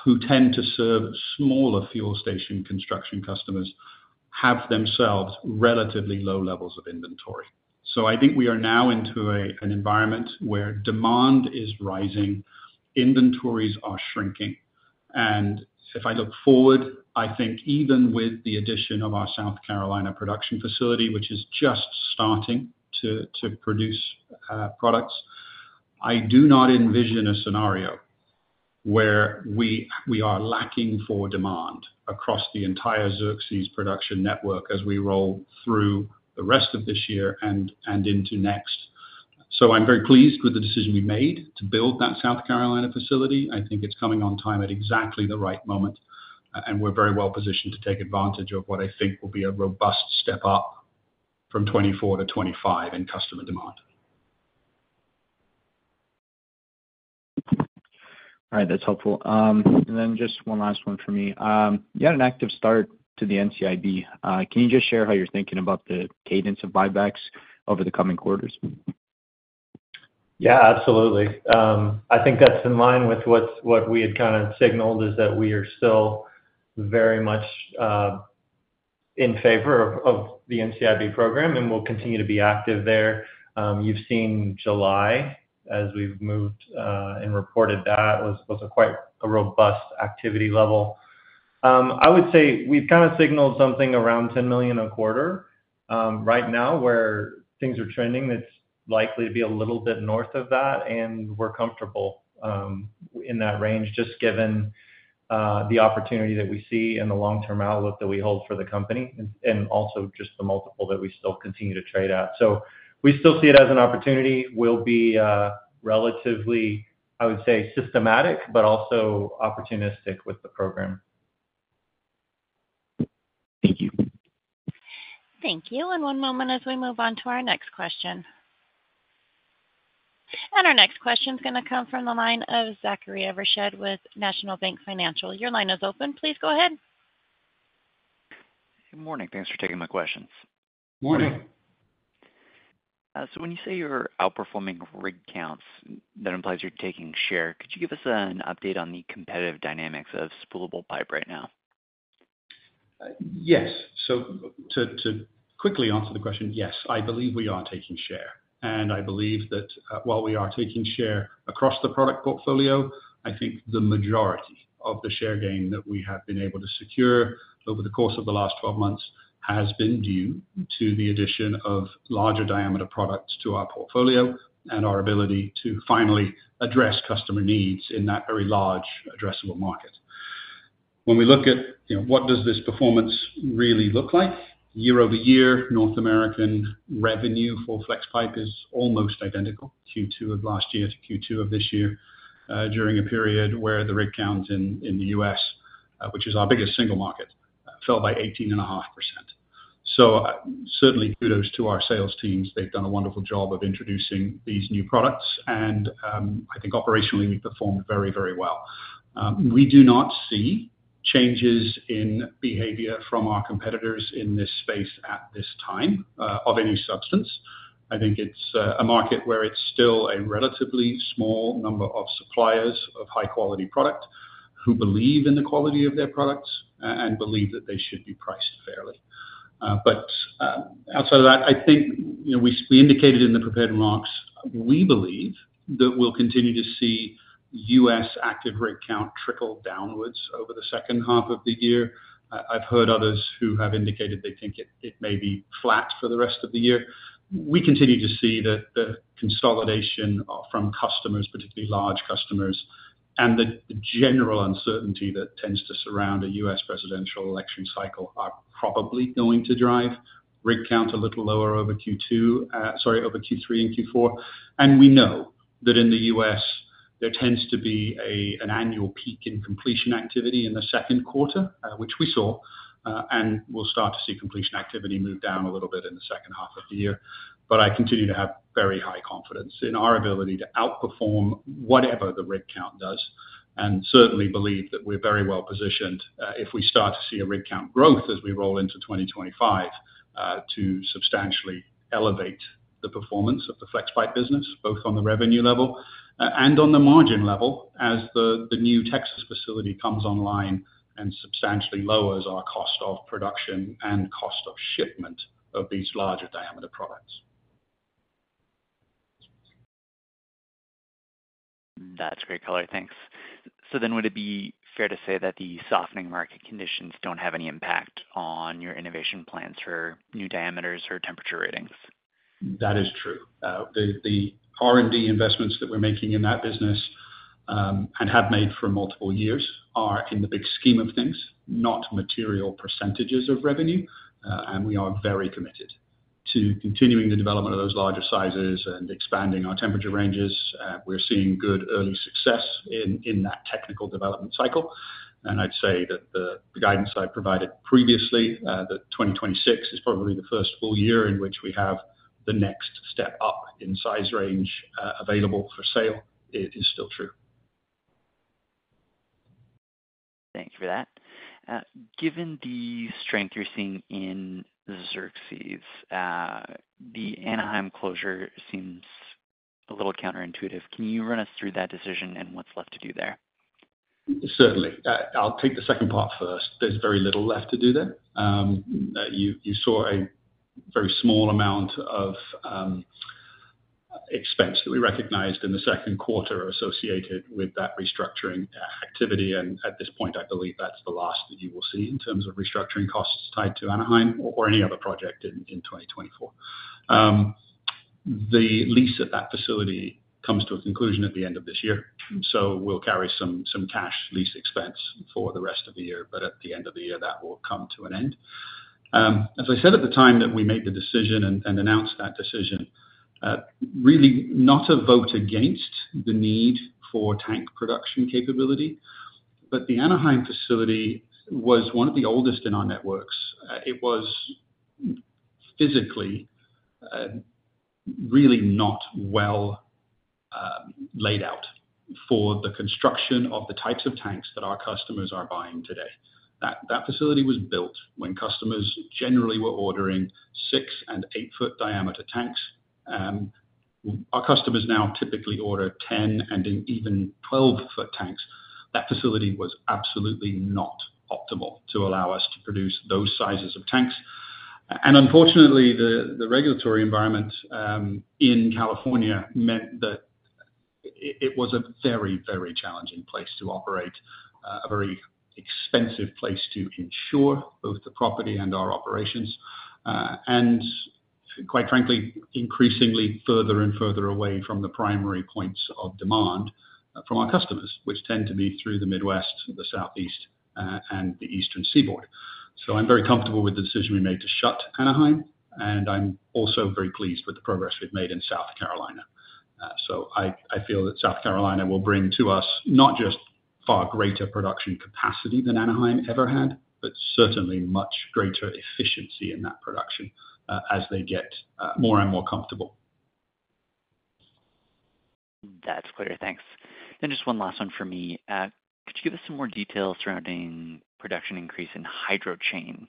who tend to serve smaller fuel station construction customers, have themselves relatively low levels of inventory. So I think we are now into an environment where demand is rising, inventories are shrinking. And if I look forward, I think even with the addition of our South Carolina production facility, which is just starting to produce products, I do not envision a scenario where we are lacking for demand across the entire Xerxes production network as we roll through the rest of this year and into next. So I'm very pleased with the decision we made to build that South Carolina facility. I think it's coming on time at exactly the right moment, and we're very well positioned to take advantage of what I think will be a robust step up from 2024 to 2025 in customer demand. All right, that's helpful. And then just one last one for me. You had an active start to the NCIB. Can you just share how you're thinking about the cadence of buybacks over the coming quarters? Yeah, absolutely. I think that's in line with what we had kind of signaled, is that we are still very much in favor of the NCIB program, and we'll continue to be active there. You've seen July as we've moved and reported that was a quite robust activity level. I would say we've kind of signaled something around 10 million a quarter. Right now, where things are trending, it's likely to be a little bit north of that, and we're comfortable in that range, just given the opportunity that we see and the long-term outlook that we hold for the company and also just the multiple that we still continue to trade at. So we still see it as an opportunity. We'll be relatively, I would say, systematic, but also opportunistic with the program. Thank you. Thank you. One moment as we move on to our next question. Our next question is gonna come from the line of Zachary Evershed with National Bank Financial. Your line is open. Please go ahead. Good morning. Thanks for taking my questions. Morning. When you say you're outperforming rig counts, that implies you're taking share. Could you give us an update on the competitive dynamics of spoolable pipe right now? Yes. So to quickly answer the question, yes, I believe we are taking share, and I believe that, while we are taking share across the product portfolio, I think the majority of the share gain that we have been able to secure over the course of the last twelve months has been due to the addition of larger diameter products to our portfolio and our ability to finally address customer needs in that very large addressable market. When we look at, you know, what does this performance really look like? Year-over-year, North American revenue for Flexpipe is almost identical, Q2 of last year to Q2 of this year, during a period where the rig counts in the U.S., which is our biggest single market, fell by 18.5%. So, certainly kudos to our sales teams. They've done a wonderful job of introducing these new products, and, I think operationally, we performed very, very well. We do not see changes in behavior from our competitors in this space at this time, of any substance. I think it's a market where it's still a relatively small number of suppliers of high-quality product, who believe in the quality of their products and believe that they should be priced fairly. But, outside of that, I think, you know, we indicated in the prepared remarks, we believe that we'll continue to see U.S. active rig count trickle downwards over the second half of the year. I've heard others who have indicated they think it may be flat for the rest of the year.... We continue to see that the consolidation from customers, particularly large customers, and the general uncertainty that tends to surround a U.S. presidential election cycle, are probably going to drive rig count a little lower over Q2, sorry, over Q3 and Q4. And we know that in the U.S., there tends to be an annual peak in completion activity in the second quarter, which we saw, and we'll start to see completion activity move down a little bit in the second half of the year. But I continue to have very high confidence in our ability to outperform whatever the rig count does, and certainly believe that we're very well positioned, if we start to see a rig count growth as we roll into 2025, to substantially elevate the performance of the Flexpipe business, both on the revenue level, and on the margin level, as the new Texas facility comes online and substantially lowers our cost of production and cost of shipment of these larger diameter products. That's great color. Thanks. So then, would it be fair to say that the softening market conditions don't have any impact on your innovation plans for new diameters or temperature ratings? That is true. The R&D investments that we're making in that business, and have made for multiple years, are in the big scheme of things not material percentages of revenue. And we are very committed to continuing the development of those larger sizes and expanding our temperature ranges. We're seeing good early success in that technical development cycle. And I'd say that the guidance I provided previously, that 2026 is probably the first full year in which we have the next step up in size range, available for sale, it is still true. Thank you for that. Given the strength you're seeing in the Xerxes, the Anaheim closure seems a little counterintuitive. Can you run us through that decision and what's left to do there? Certainly. I'll take the second part first. There's very little left to do there. You saw a very small amount of expense that we recognized in the second quarter associated with that restructuring activity, and at this point, I believe that's the last that you will see in terms of restructuring costs tied to Anaheim or any other project in 2024. The lease at that facility comes to a conclusion at the end of this year, so we'll carry some cash lease expense for the rest of the year, but at the end of the year, that will come to an end. As I said at the time that we made the decision and announced that decision, really not a vote against the need for tank production capability, but the Anaheim facility was one of the oldest in our networks. It was physically really not well laid out for the construction of the types of tanks that our customers are buying today. That facility was built when customers generally were ordering 6- and 8-foot diameter tanks. Our customers now typically order 10- and even 12-foot tanks. That facility was absolutely not optimal to allow us to produce those sizes of tanks. And unfortunately, the regulatory environment in California meant that it was a very, very challenging place to operate, a very expensive place to insure both the property and our operations, and quite frankly, increasingly further and further away from the primary points of demand from our customers, which tend to be through the Midwest, the Southeast, and the Eastern Seaboard. So I'm very comfortable with the decision we made to shut Anaheim, and I'm also very pleased with the progress we've made in South Carolina. So I feel that South Carolina will bring to us not just far greater production capacity than Anaheim ever had, but certainly much greater efficiency in that production, as they get more and more comfortable. That's clear. Thanks. Then just one last one for me. Could you give us some more details surrounding production increase in HydroChain?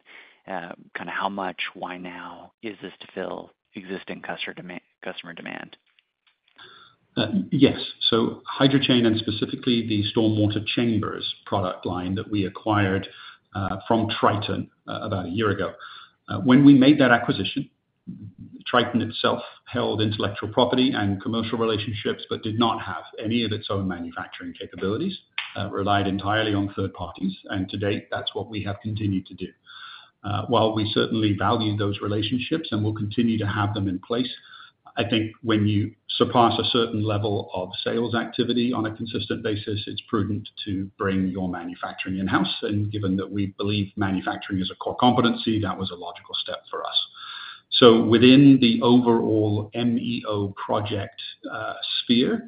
Kind of how much, why now? Is this to fill existing customer demand, customer demand? Yes. So HydroChain, and specifically the stormwater chambers product line that we acquired from Triton about a year ago. When we made that acquisition, Triton itself held intellectual property and commercial relationships, but did not have any of its own manufacturing capabilities, relied entirely on third parties, and to date, that's what we have continued to do. While we certainly value those relationships and will continue to have them in place, I think when you surpass a certain level of sales activity on a consistent basis, it's prudent to bring your manufacturing in-house. And given that we believe manufacturing is a core competency, that was a logical step for us. Within the overall MFO project sphere,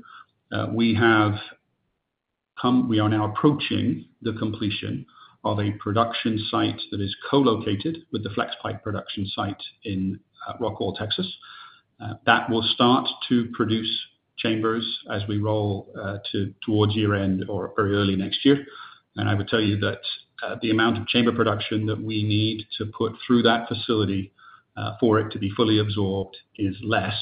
we are now approaching the completion of a production site that is co-located with the Flexpipe production site in Rockwall, Texas. That will start to produce chambers as we roll towards year end or early next year. I would tell you that the amount of chamber production that we need to put through that facility for it to be fully absorbed is less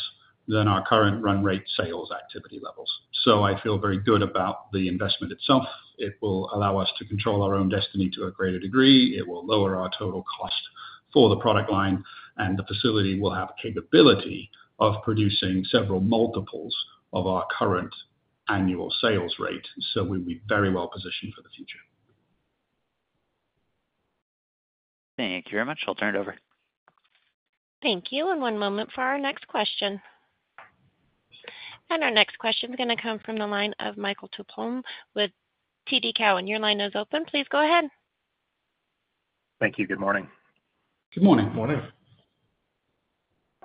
than our current run rate sales activity levels. So I feel very good about the investment itself. It will allow us to control our own destiny to a greater degree. It will lower our total cost for the product line, and the facility will have capability of producing several multiples of our current annual sales rate. So we'll be very well positioned for the future. Thank you very much. I'll turn it over. Thank you, and one moment for our next question. Our next question is gonna come from the line of Michael Tupholme with TD Cowen. Your line is open. Please go ahead. Thank you. Good morning. Good morning. Morning.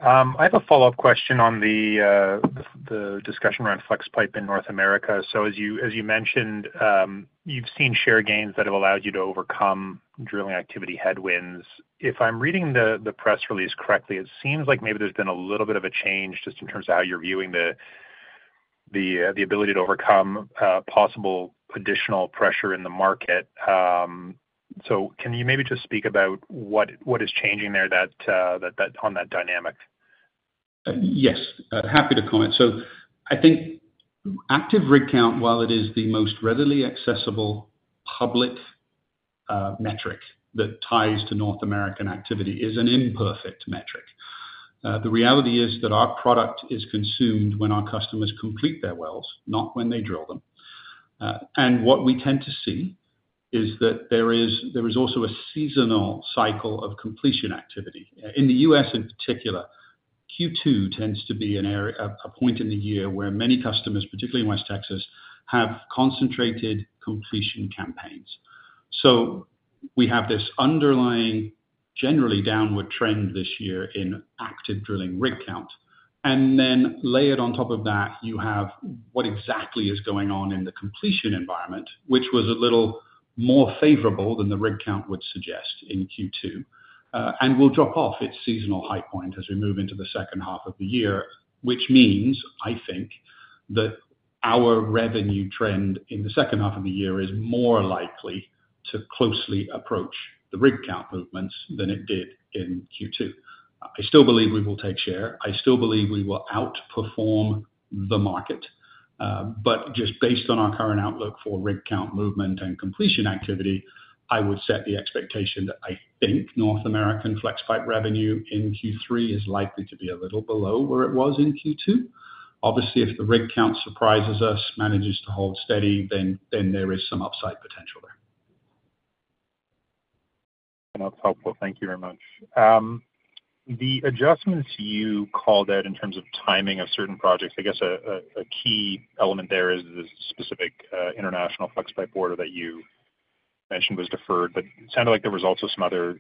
I have a follow-up question on the discussion around Flexpipe in North America. So as you mentioned, you've seen share gains that have allowed you to overcome drilling activity headwinds. If I'm reading the press release correctly, it seems like maybe there's been a little bit of a change, just in terms of how you're viewing the ability to overcome possible additional pressure in the market. So can you maybe just speak about what is changing there that on that dynamic? Yes, happy to comment. I think active rig count, while it is the most readily accessible public metric that ties to North American activity, is an imperfect metric. The reality is that our product is consumed when our customers complete their wells, not when they drill them. What we tend to see is that there is also a seasonal cycle of completion activity. In the U.S. in particular, Q2 tends to be a point in the year where many customers, particularly in West Texas, have concentrated completion campaigns. We have this underlying, generally downward trend this year in active drilling rig count, and then layered on top of that, you have what exactly is going on in the completion environment, which was a little more favorable than the rig count would suggest in Q2. will drop off its seasonal high point as we move into the second half of the year, which means, I think, that our revenue trend in the second half of the year is more likely to closely approach the rig count movements than it did in Q2. I still believe we will take share. I still believe we will outperform the market, but just based on our current outlook for rig count movement and completion activity, I would set the expectation that I think North American Flexpipe revenue in Q3 is likely to be a little below where it was in Q2. Obviously, if the rig count surprises us, manages to hold steady, then there is some upside potential there. That's helpful. Thank you very much. The adjustments you called out in terms of timing of certain projects, I guess a key element there is the specific international Flexpipe order that you mentioned was deferred, but it sounded like the results of some other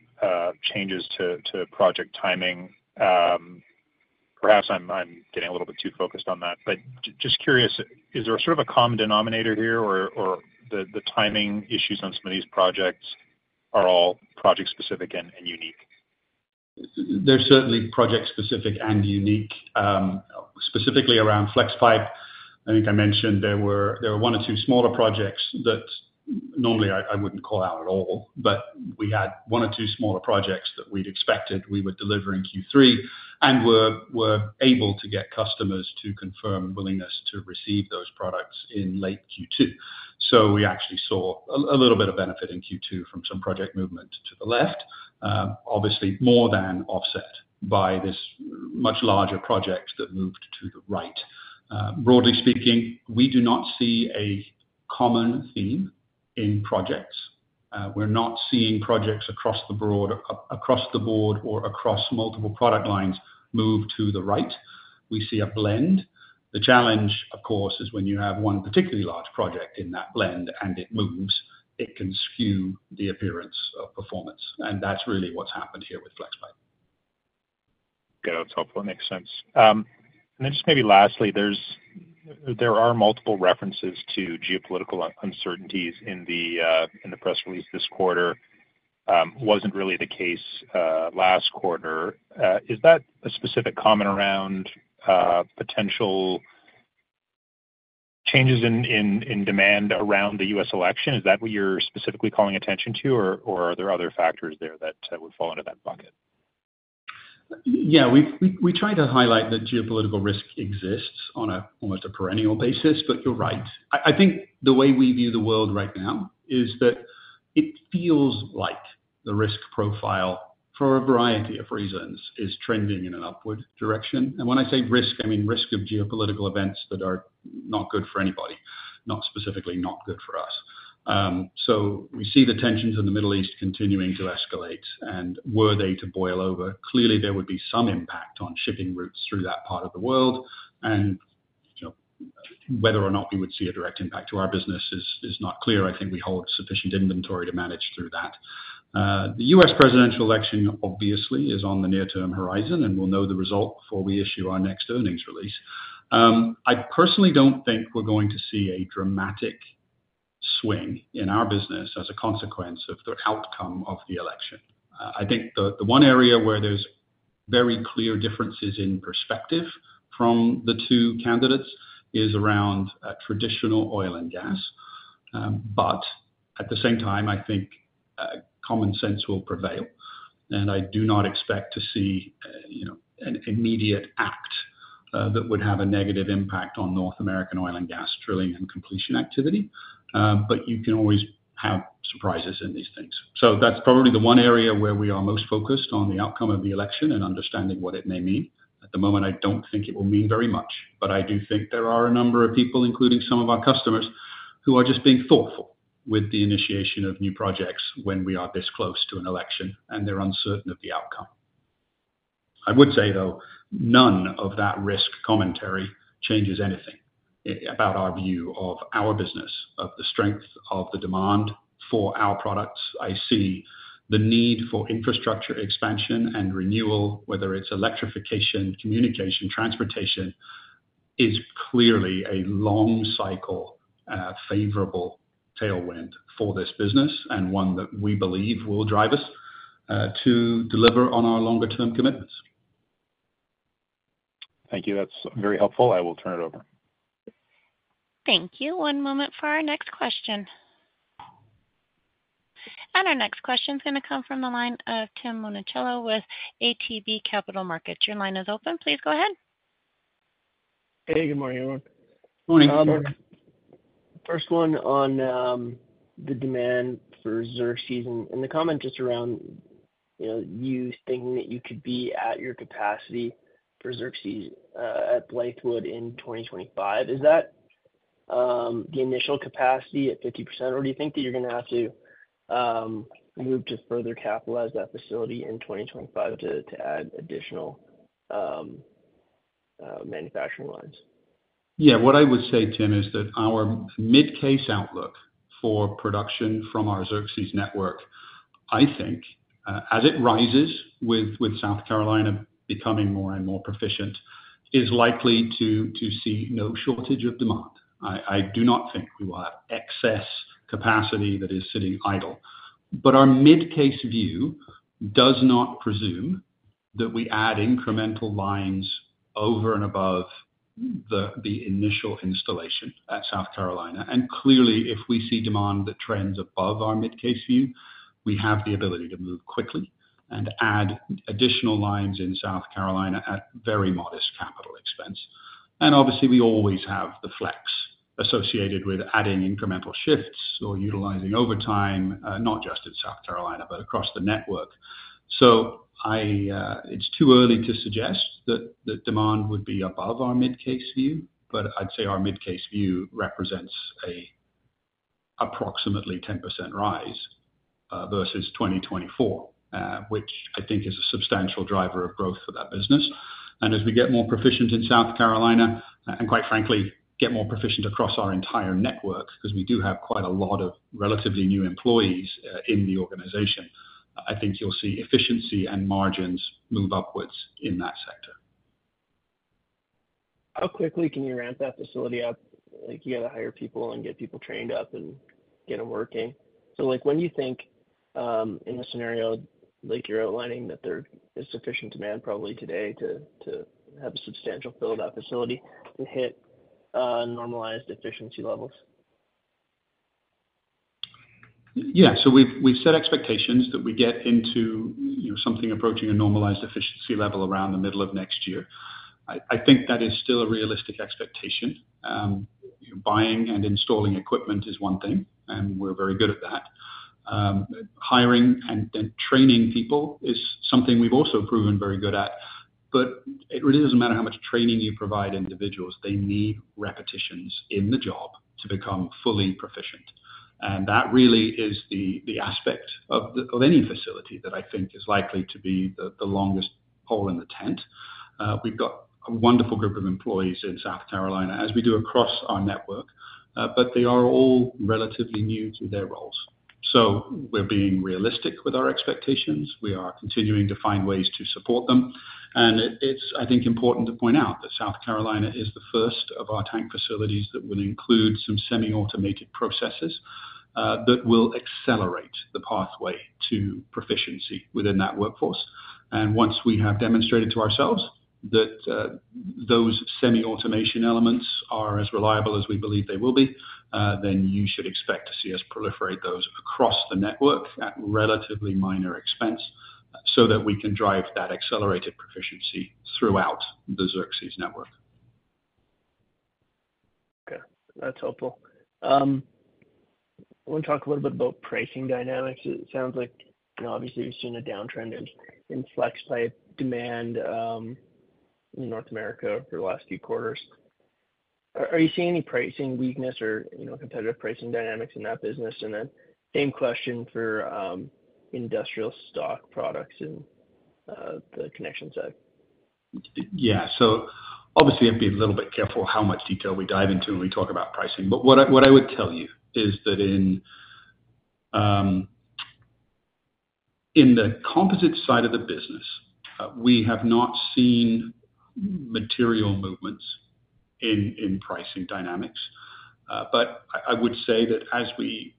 changes to project timing. Perhaps I'm getting a little bit too focused on that, but just curious, is there sort of a common denominator here or the timing issues on some of these projects are all project-specific and unique? They're certainly project-specific and unique. Specifically around Flexpipe, I think I mentioned there were one or two smaller projects that normally I wouldn't call out at all, but we had one or two smaller projects that we'd expected we would deliver in Q3 and were able to get customers to confirm willingness to receive those products in late Q2. So we actually saw a little bit of benefit in Q2 from some project movement to the left. Obviously, more than offset by this much larger project that moved to the right. Broadly speaking, we do not see a common theme in projects. We're not seeing projects across the board or across multiple product lines move to the right. We see a blend. The challenge, of course, is when you have one particularly large project in that blend and it moves, it can skew the appearance of performance, and that's really what's happened here with Flexpipe. Yeah, that's helpful. It makes sense. And then just maybe lastly, there are multiple references to geopolitical uncertainties in the press release this quarter. Wasn't really the case last quarter. Is that a specific comment around potential changes in demand around the U.S. election? Is that what you're specifically calling attention to, or are there other factors there that would fall into that bucket? Yeah, we try to highlight that geopolitical risk exists on an almost perennial basis, but you're right. I think the way we view the world right now is that it feels like the risk profile, for a variety of reasons, is trending in an upward direction. And when I say risk, I mean risk of geopolitical events that are not good for anybody, not specifically not good for us. So we see the tensions in the Middle East continuing to escalate, and were they to boil over, clearly there would be some impact on shipping routes through that part of the world. And, you know, whether or not we would see a direct impact to our business is not clear. I think we hold sufficient inventory to manage through that. The U.S. presidential election, obviously, is on the near-term horizon, and we'll know the result before we issue our next earnings release. I personally don't think we're going to see a dramatic swing in our business as a consequence of the outcome of the election. I think the one area where there's very clear differences in perspective from the two candidates is around traditional oil and gas. But at the same time, I think common sense will prevail, and I do not expect to see, you know, an immediate act that would have a negative impact on North American oil and gas drilling and completion activity. But you can always have surprises in these things. So that's probably the one area where we are most focused on the outcome of the election and understanding what it may mean. At the moment, I don't think it will mean very much, but I do think there are a number of people, including some of our customers who are just being thoughtful with the initiation of new projects when we are this close to an election, and they're uncertain of the outcome. I would say, though, none of that risk commentary changes anything about our view of our business, of the strength of the demand for our products. I see the need for infrastructure expansion and renewal, whether it's electrification, communication, transportation, is clearly a long cycle, favorable tailwind for this business, and one that we believe will drive us to deliver on our longer-term commitments. Thank you. That's very helpful. I will turn it over. Thank you. One moment for our next question. Our next question is gonna come from the line of Tim Monachello with ATB Capital Markets. Your line is open. Please go ahead. Hey, good morning, everyone. Morning, Tim. First one on the demand for Xerxes, and the comment just around, you know, you thinking that you could be at your capacity for Xerxes at Blythewood in 2025. Is that the initial capacity at 50%, or do you think that you're gonna have to move to further capitalize that facility in 2025 to add additional manufacturing lines? Yeah. What I would say, Tim, is that our mid-case outlook for production from our Xerxes network, I think, as it rises with South Carolina becoming more and more proficient, is likely to see no shortage of demand. I do not think we will have excess capacity that is sitting idle. But our mid-case view does not presume that we add incremental lines over and above the initial installation at South Carolina. And clearly, if we see demand that trends above our mid-case view, we have the ability to move quickly and add additional lines in South Carolina at very modest capital expense. And obviously, we always have the flex associated with adding incremental shifts or utilizing overtime, not just at South Carolina, but across the network. It's too early to suggest that the demand would be above our mid-case view, but I'd say our mid-case view represents approximately 10% rise versus 2024, which I think is a substantial driver of growth for that business. And as we get more proficient in South Carolina and quite frankly, get more proficient across our entire network, because we do have quite a lot of relatively new employees in the organization, I think you'll see efficiency and margins move upwards in that sector. How quickly can you ramp that facility up? Like, you got to hire people and get people trained up and get them working. So, like, when you think, in the scenario, like you're outlining, that there is sufficient demand probably today to have a substantial build-out facility and hit normalized efficiency levels? Yeah. So we've set expectations that we get into, you know, something approaching a normalized efficiency level around the middle of next year. I think that is still a realistic expectation. Buying and installing equipment is one thing, and we're very good at that. Hiring and training people is something we've also proven very good at, but it really doesn't matter how much training you provide individuals, they need repetitions in the job to become fully proficient. And that really is the aspect of any facility that I think is likely to be the longest pole in the tent. We've got a wonderful group of employees in South Carolina, as we do across our network, but they are all relatively new to their roles. So we're being realistic with our expectations. We are continuing to find ways to support them. It's, I think, important to point out that South Carolina is the first of our tank facilities that will include some semi-automated processes that will accelerate the pathway to proficiency within that workforce. Once we have demonstrated to ourselves that those semi-automation elements are as reliable as we believe they will be, then you should expect to see us proliferate those across the network at relatively minor expense, so that we can drive that accelerated proficiency throughout the Xerxes network. Okay, that's helpful. I want to talk a little bit about pricing dynamics. It sounds like, you know, obviously, you've seen a downtrend in Flexpipe demand in North America for the last few quarters. Are you seeing any pricing weakness or, you know, competitive pricing dynamics in that business? And then same question for industrial stock products in the connection side. Yeah. So obviously, I have to be a little bit careful how much detail we dive into when we talk about pricing. But what I would tell you is that in the composite side of the business, we have not seen material movements in pricing dynamics. But I would say that as we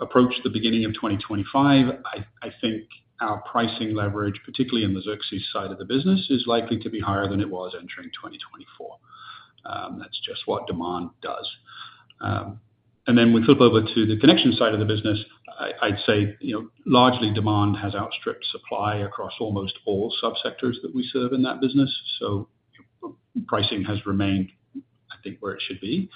approach the beginning of 2025, I think our pricing leverage, particularly in the Xerxes side of the business, is likely to be higher than it was entering 2024. That's just what demand does. And then we flip over to the connection side of the business, I'd say, you know, largely demand has outstripped supply across almost all subsectors that we serve in that business, so pricing has remained, I think, where it should be.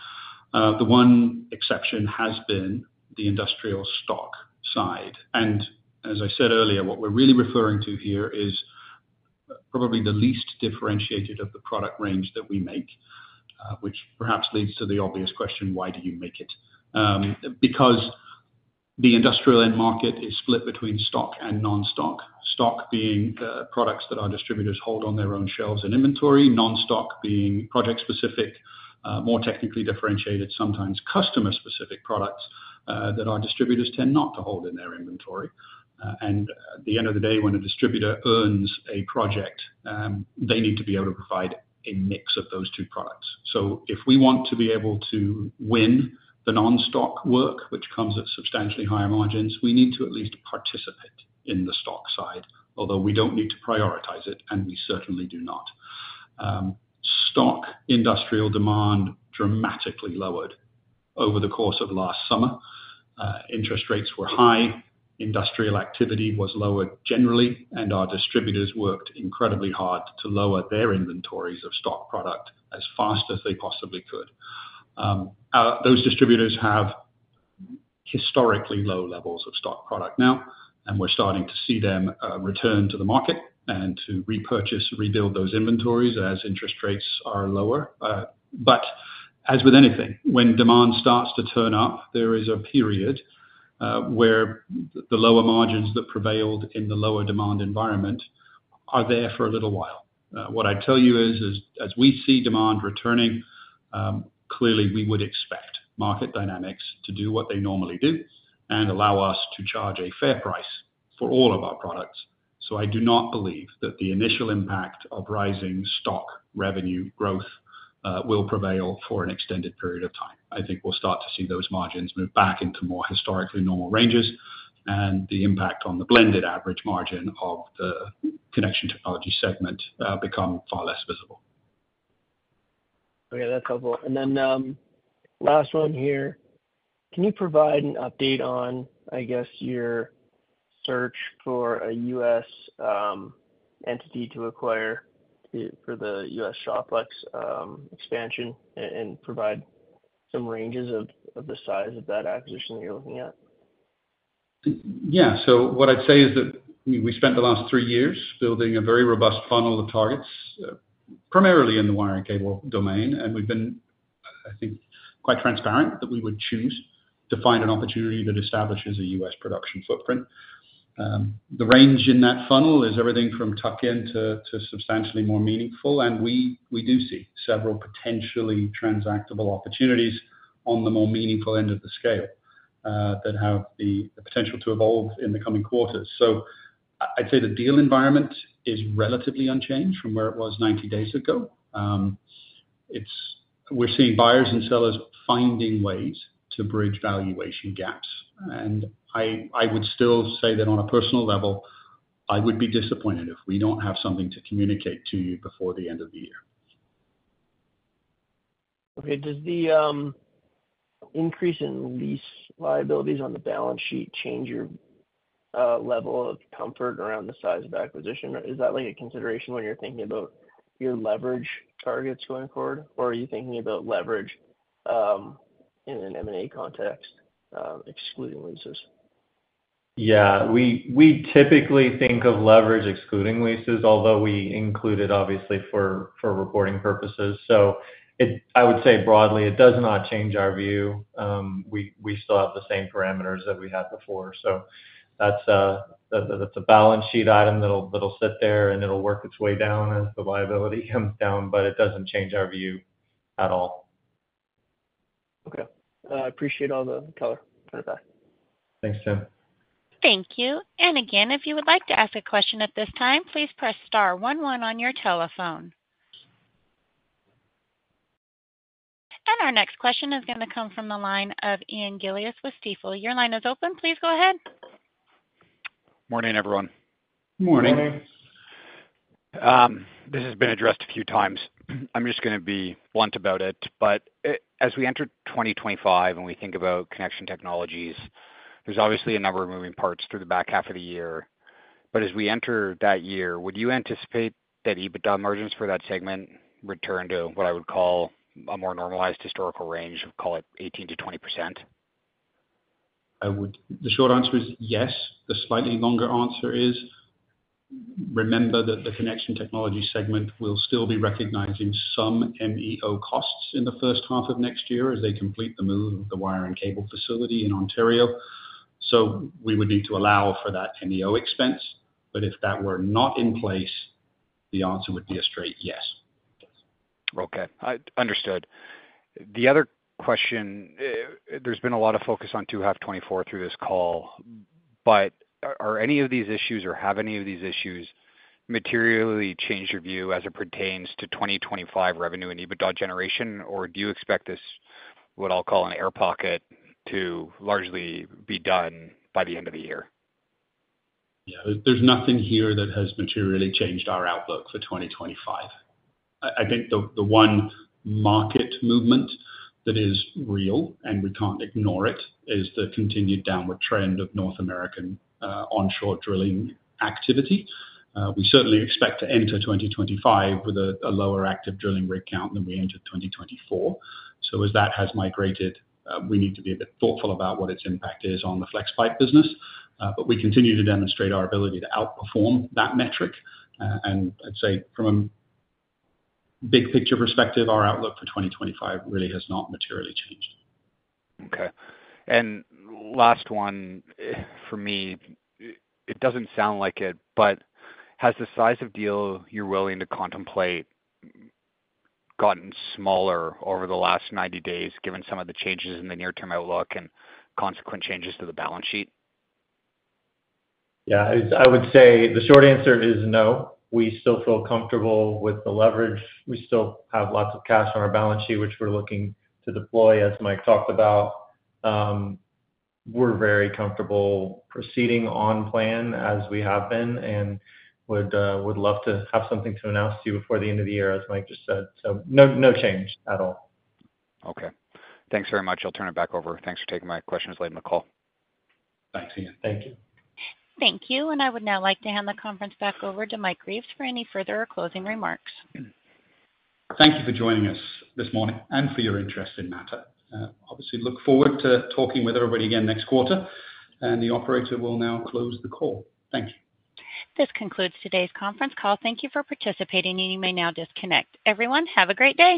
The one exception has been the industrial stock side. As I said earlier, what we're really referring to here is probably the least differentiated of the product range that we make, which perhaps leads to the obvious question: why do you make it? Because the industrial end market is split between stock and non-stock. Stock being products that our distributors hold on their own shelves and inventory, non-stock being project-specific, more technically differentiated, sometimes customer-specific products that our distributors tend not to hold in their inventory. And at the end of the day, when a distributor earns a project, they need to be able to provide a mix of those two products. So if we want to be able to win the non-stock work, which comes at substantially higher margins, we need to at least participate in the stock side, although we don't need to prioritize it, and we certainly do not. Stock industrial demand dramatically lowered over the course of last summer. Interest rates were high, industrial activity was lowered generally, and our distributors worked incredibly hard to lower their inventories of stock product as fast as they possibly could. Those distributors have historically low levels of stock product now, and we're starting to see them return to the market and to repurchase, rebuild those inventories as interest rates are lower. But as with anything, when demand starts to turn up, there is a period where the lower margins that prevailed in the lower demand environment are there for a little while. What I'd tell you is, is as we see demand returning, clearly, we would expect market dynamics to do what they normally do and allow us to charge a fair price for all of our products. So I do not believe that the initial impact of rising stock revenue growth will prevail for an extended period of time. I think we'll start to see those margins move back into more historically normal ranges, and the impact on the blended average margin of the Connection Technologies segment become far less visible. Okay, that's helpful. And then, last one here. Can you provide an update on, I guess, your search for a U.S. entity to acquire for the U.S. Shawflex expansion and provide some ranges of the size of that acquisition that you're looking at? Yeah. So what I'd say is that we, we spent the last three years building a very robust funnel of targets, primarily in the wire and cable domain, and we've been, I think, quite transparent that we would choose to find an opportunity that establishes a U.S. production footprint. The range in that funnel is everything from tuck-in to substantially more meaningful, and we, we do see several potentially transactable opportunities on the more meaningful end of the scale, that have the potential to evolve in the coming quarters. So I'd say the deal environment is relatively unchanged from where it was 90 days ago. We're seeing buyers and sellers finding ways to bridge valuation gaps, and I would still say that on a personal level, I would be disappointed if we don't have something to communicate to you before the end of the year. Okay, does the increase in lease liabilities on the balance sheet change your level of comfort around the size of acquisition? Or is that, like, a consideration when you're thinking about your leverage targets going forward, or are you thinking about leverage in an M&A context, excluding leases? Yeah, we typically think of leverage excluding leases, although we include it obviously for reporting purposes. So it. I would say broadly, it does not change our view. We still have the same parameters that we had before. So that's a balance sheet item that'll sit there, and it'll work its way down as the liability comes down, but it doesn't change our view at all. Okay. I appreciate all the color. Turn it back. Thanks, Tim. Thank you. And again, if you would like to ask a question at this time, please press star one one on your telephone. And our next question is gonna come from the line of Ian Gillies with Stifel. Your line is open. Please go ahead. Morning, everyone. Morning. Morning. This has been addressed a few times. I'm just gonna be blunt about it, but, as we enter 2025 and we think about Connection Technologies, there's obviously a number of moving parts through the back half of the year. But as we enter that year, would you anticipate that EBITDA margins for that segment return to what I would call a more normalized historical range, of call it 18%-20%? The short answer is yes. The slightly longer answer is, remember that the Connection Technologies segment will still be recognizing some MFO costs in the first half of next year as they complete the move of the wire and cable facility in Ontario, so we would need to allow for that MFO expense. But if that were not in place, the answer would be a straight yes. Okay, understood. The other question, there's been a lot of focus on 2H 2024 through this call, but are, are any of these issues or have any of these issues materially changed your view as it pertains to 2025 revenue and EBITDA generation, or do you expect this, what I'll call an air pocket, to largely be done by the end of the year? Yeah. There's nothing here that has materially changed our outlook for 2025. I think the one market movement that is real, and we can't ignore it, is the continued downward trend of North American onshore drilling activity. We certainly expect to enter 2025 with a lower active drilling rig count than we entered 2024. So as that has migrated, we need to be a bit thoughtful about what its impact is on the Flexpipe business. But we continue to demonstrate our ability to outperform that metric. And I'd say from a big picture perspective, our outlook for 2025 really has not materially changed. Okay. And last one, for me, it doesn't sound like it, but has the size of deal you're willing to contemplate gotten smaller over the last 90 days, given some of the changes in the near-term outlook and consequent changes to the balance sheet? Yeah, I would say the short answer is no. We still feel comfortable with the leverage. We still have lots of cash on our balance sheet, which we're looking to deploy, as Mike talked about. We're very comfortable proceeding on plan as we have been and would love to have something to announce to you before the end of the year, as Mike just said. So no, no change at all. Okay. Thanks very much. I'll turn it back over. Thanks for taking my questions this late in the call. Thanks, Ian. Thank you. Thank you, and I would now like to hand the conference back over to Mike Reeves for any further closing remarks. Thank you for joining us this morning and for your interest in Mattr. Obviously look forward to talking with everybody again next quarter, and the operator will now close the call. Thank you. This concludes today's conference call. Thank you for participating, and you may now disconnect. Everyone, have a great day.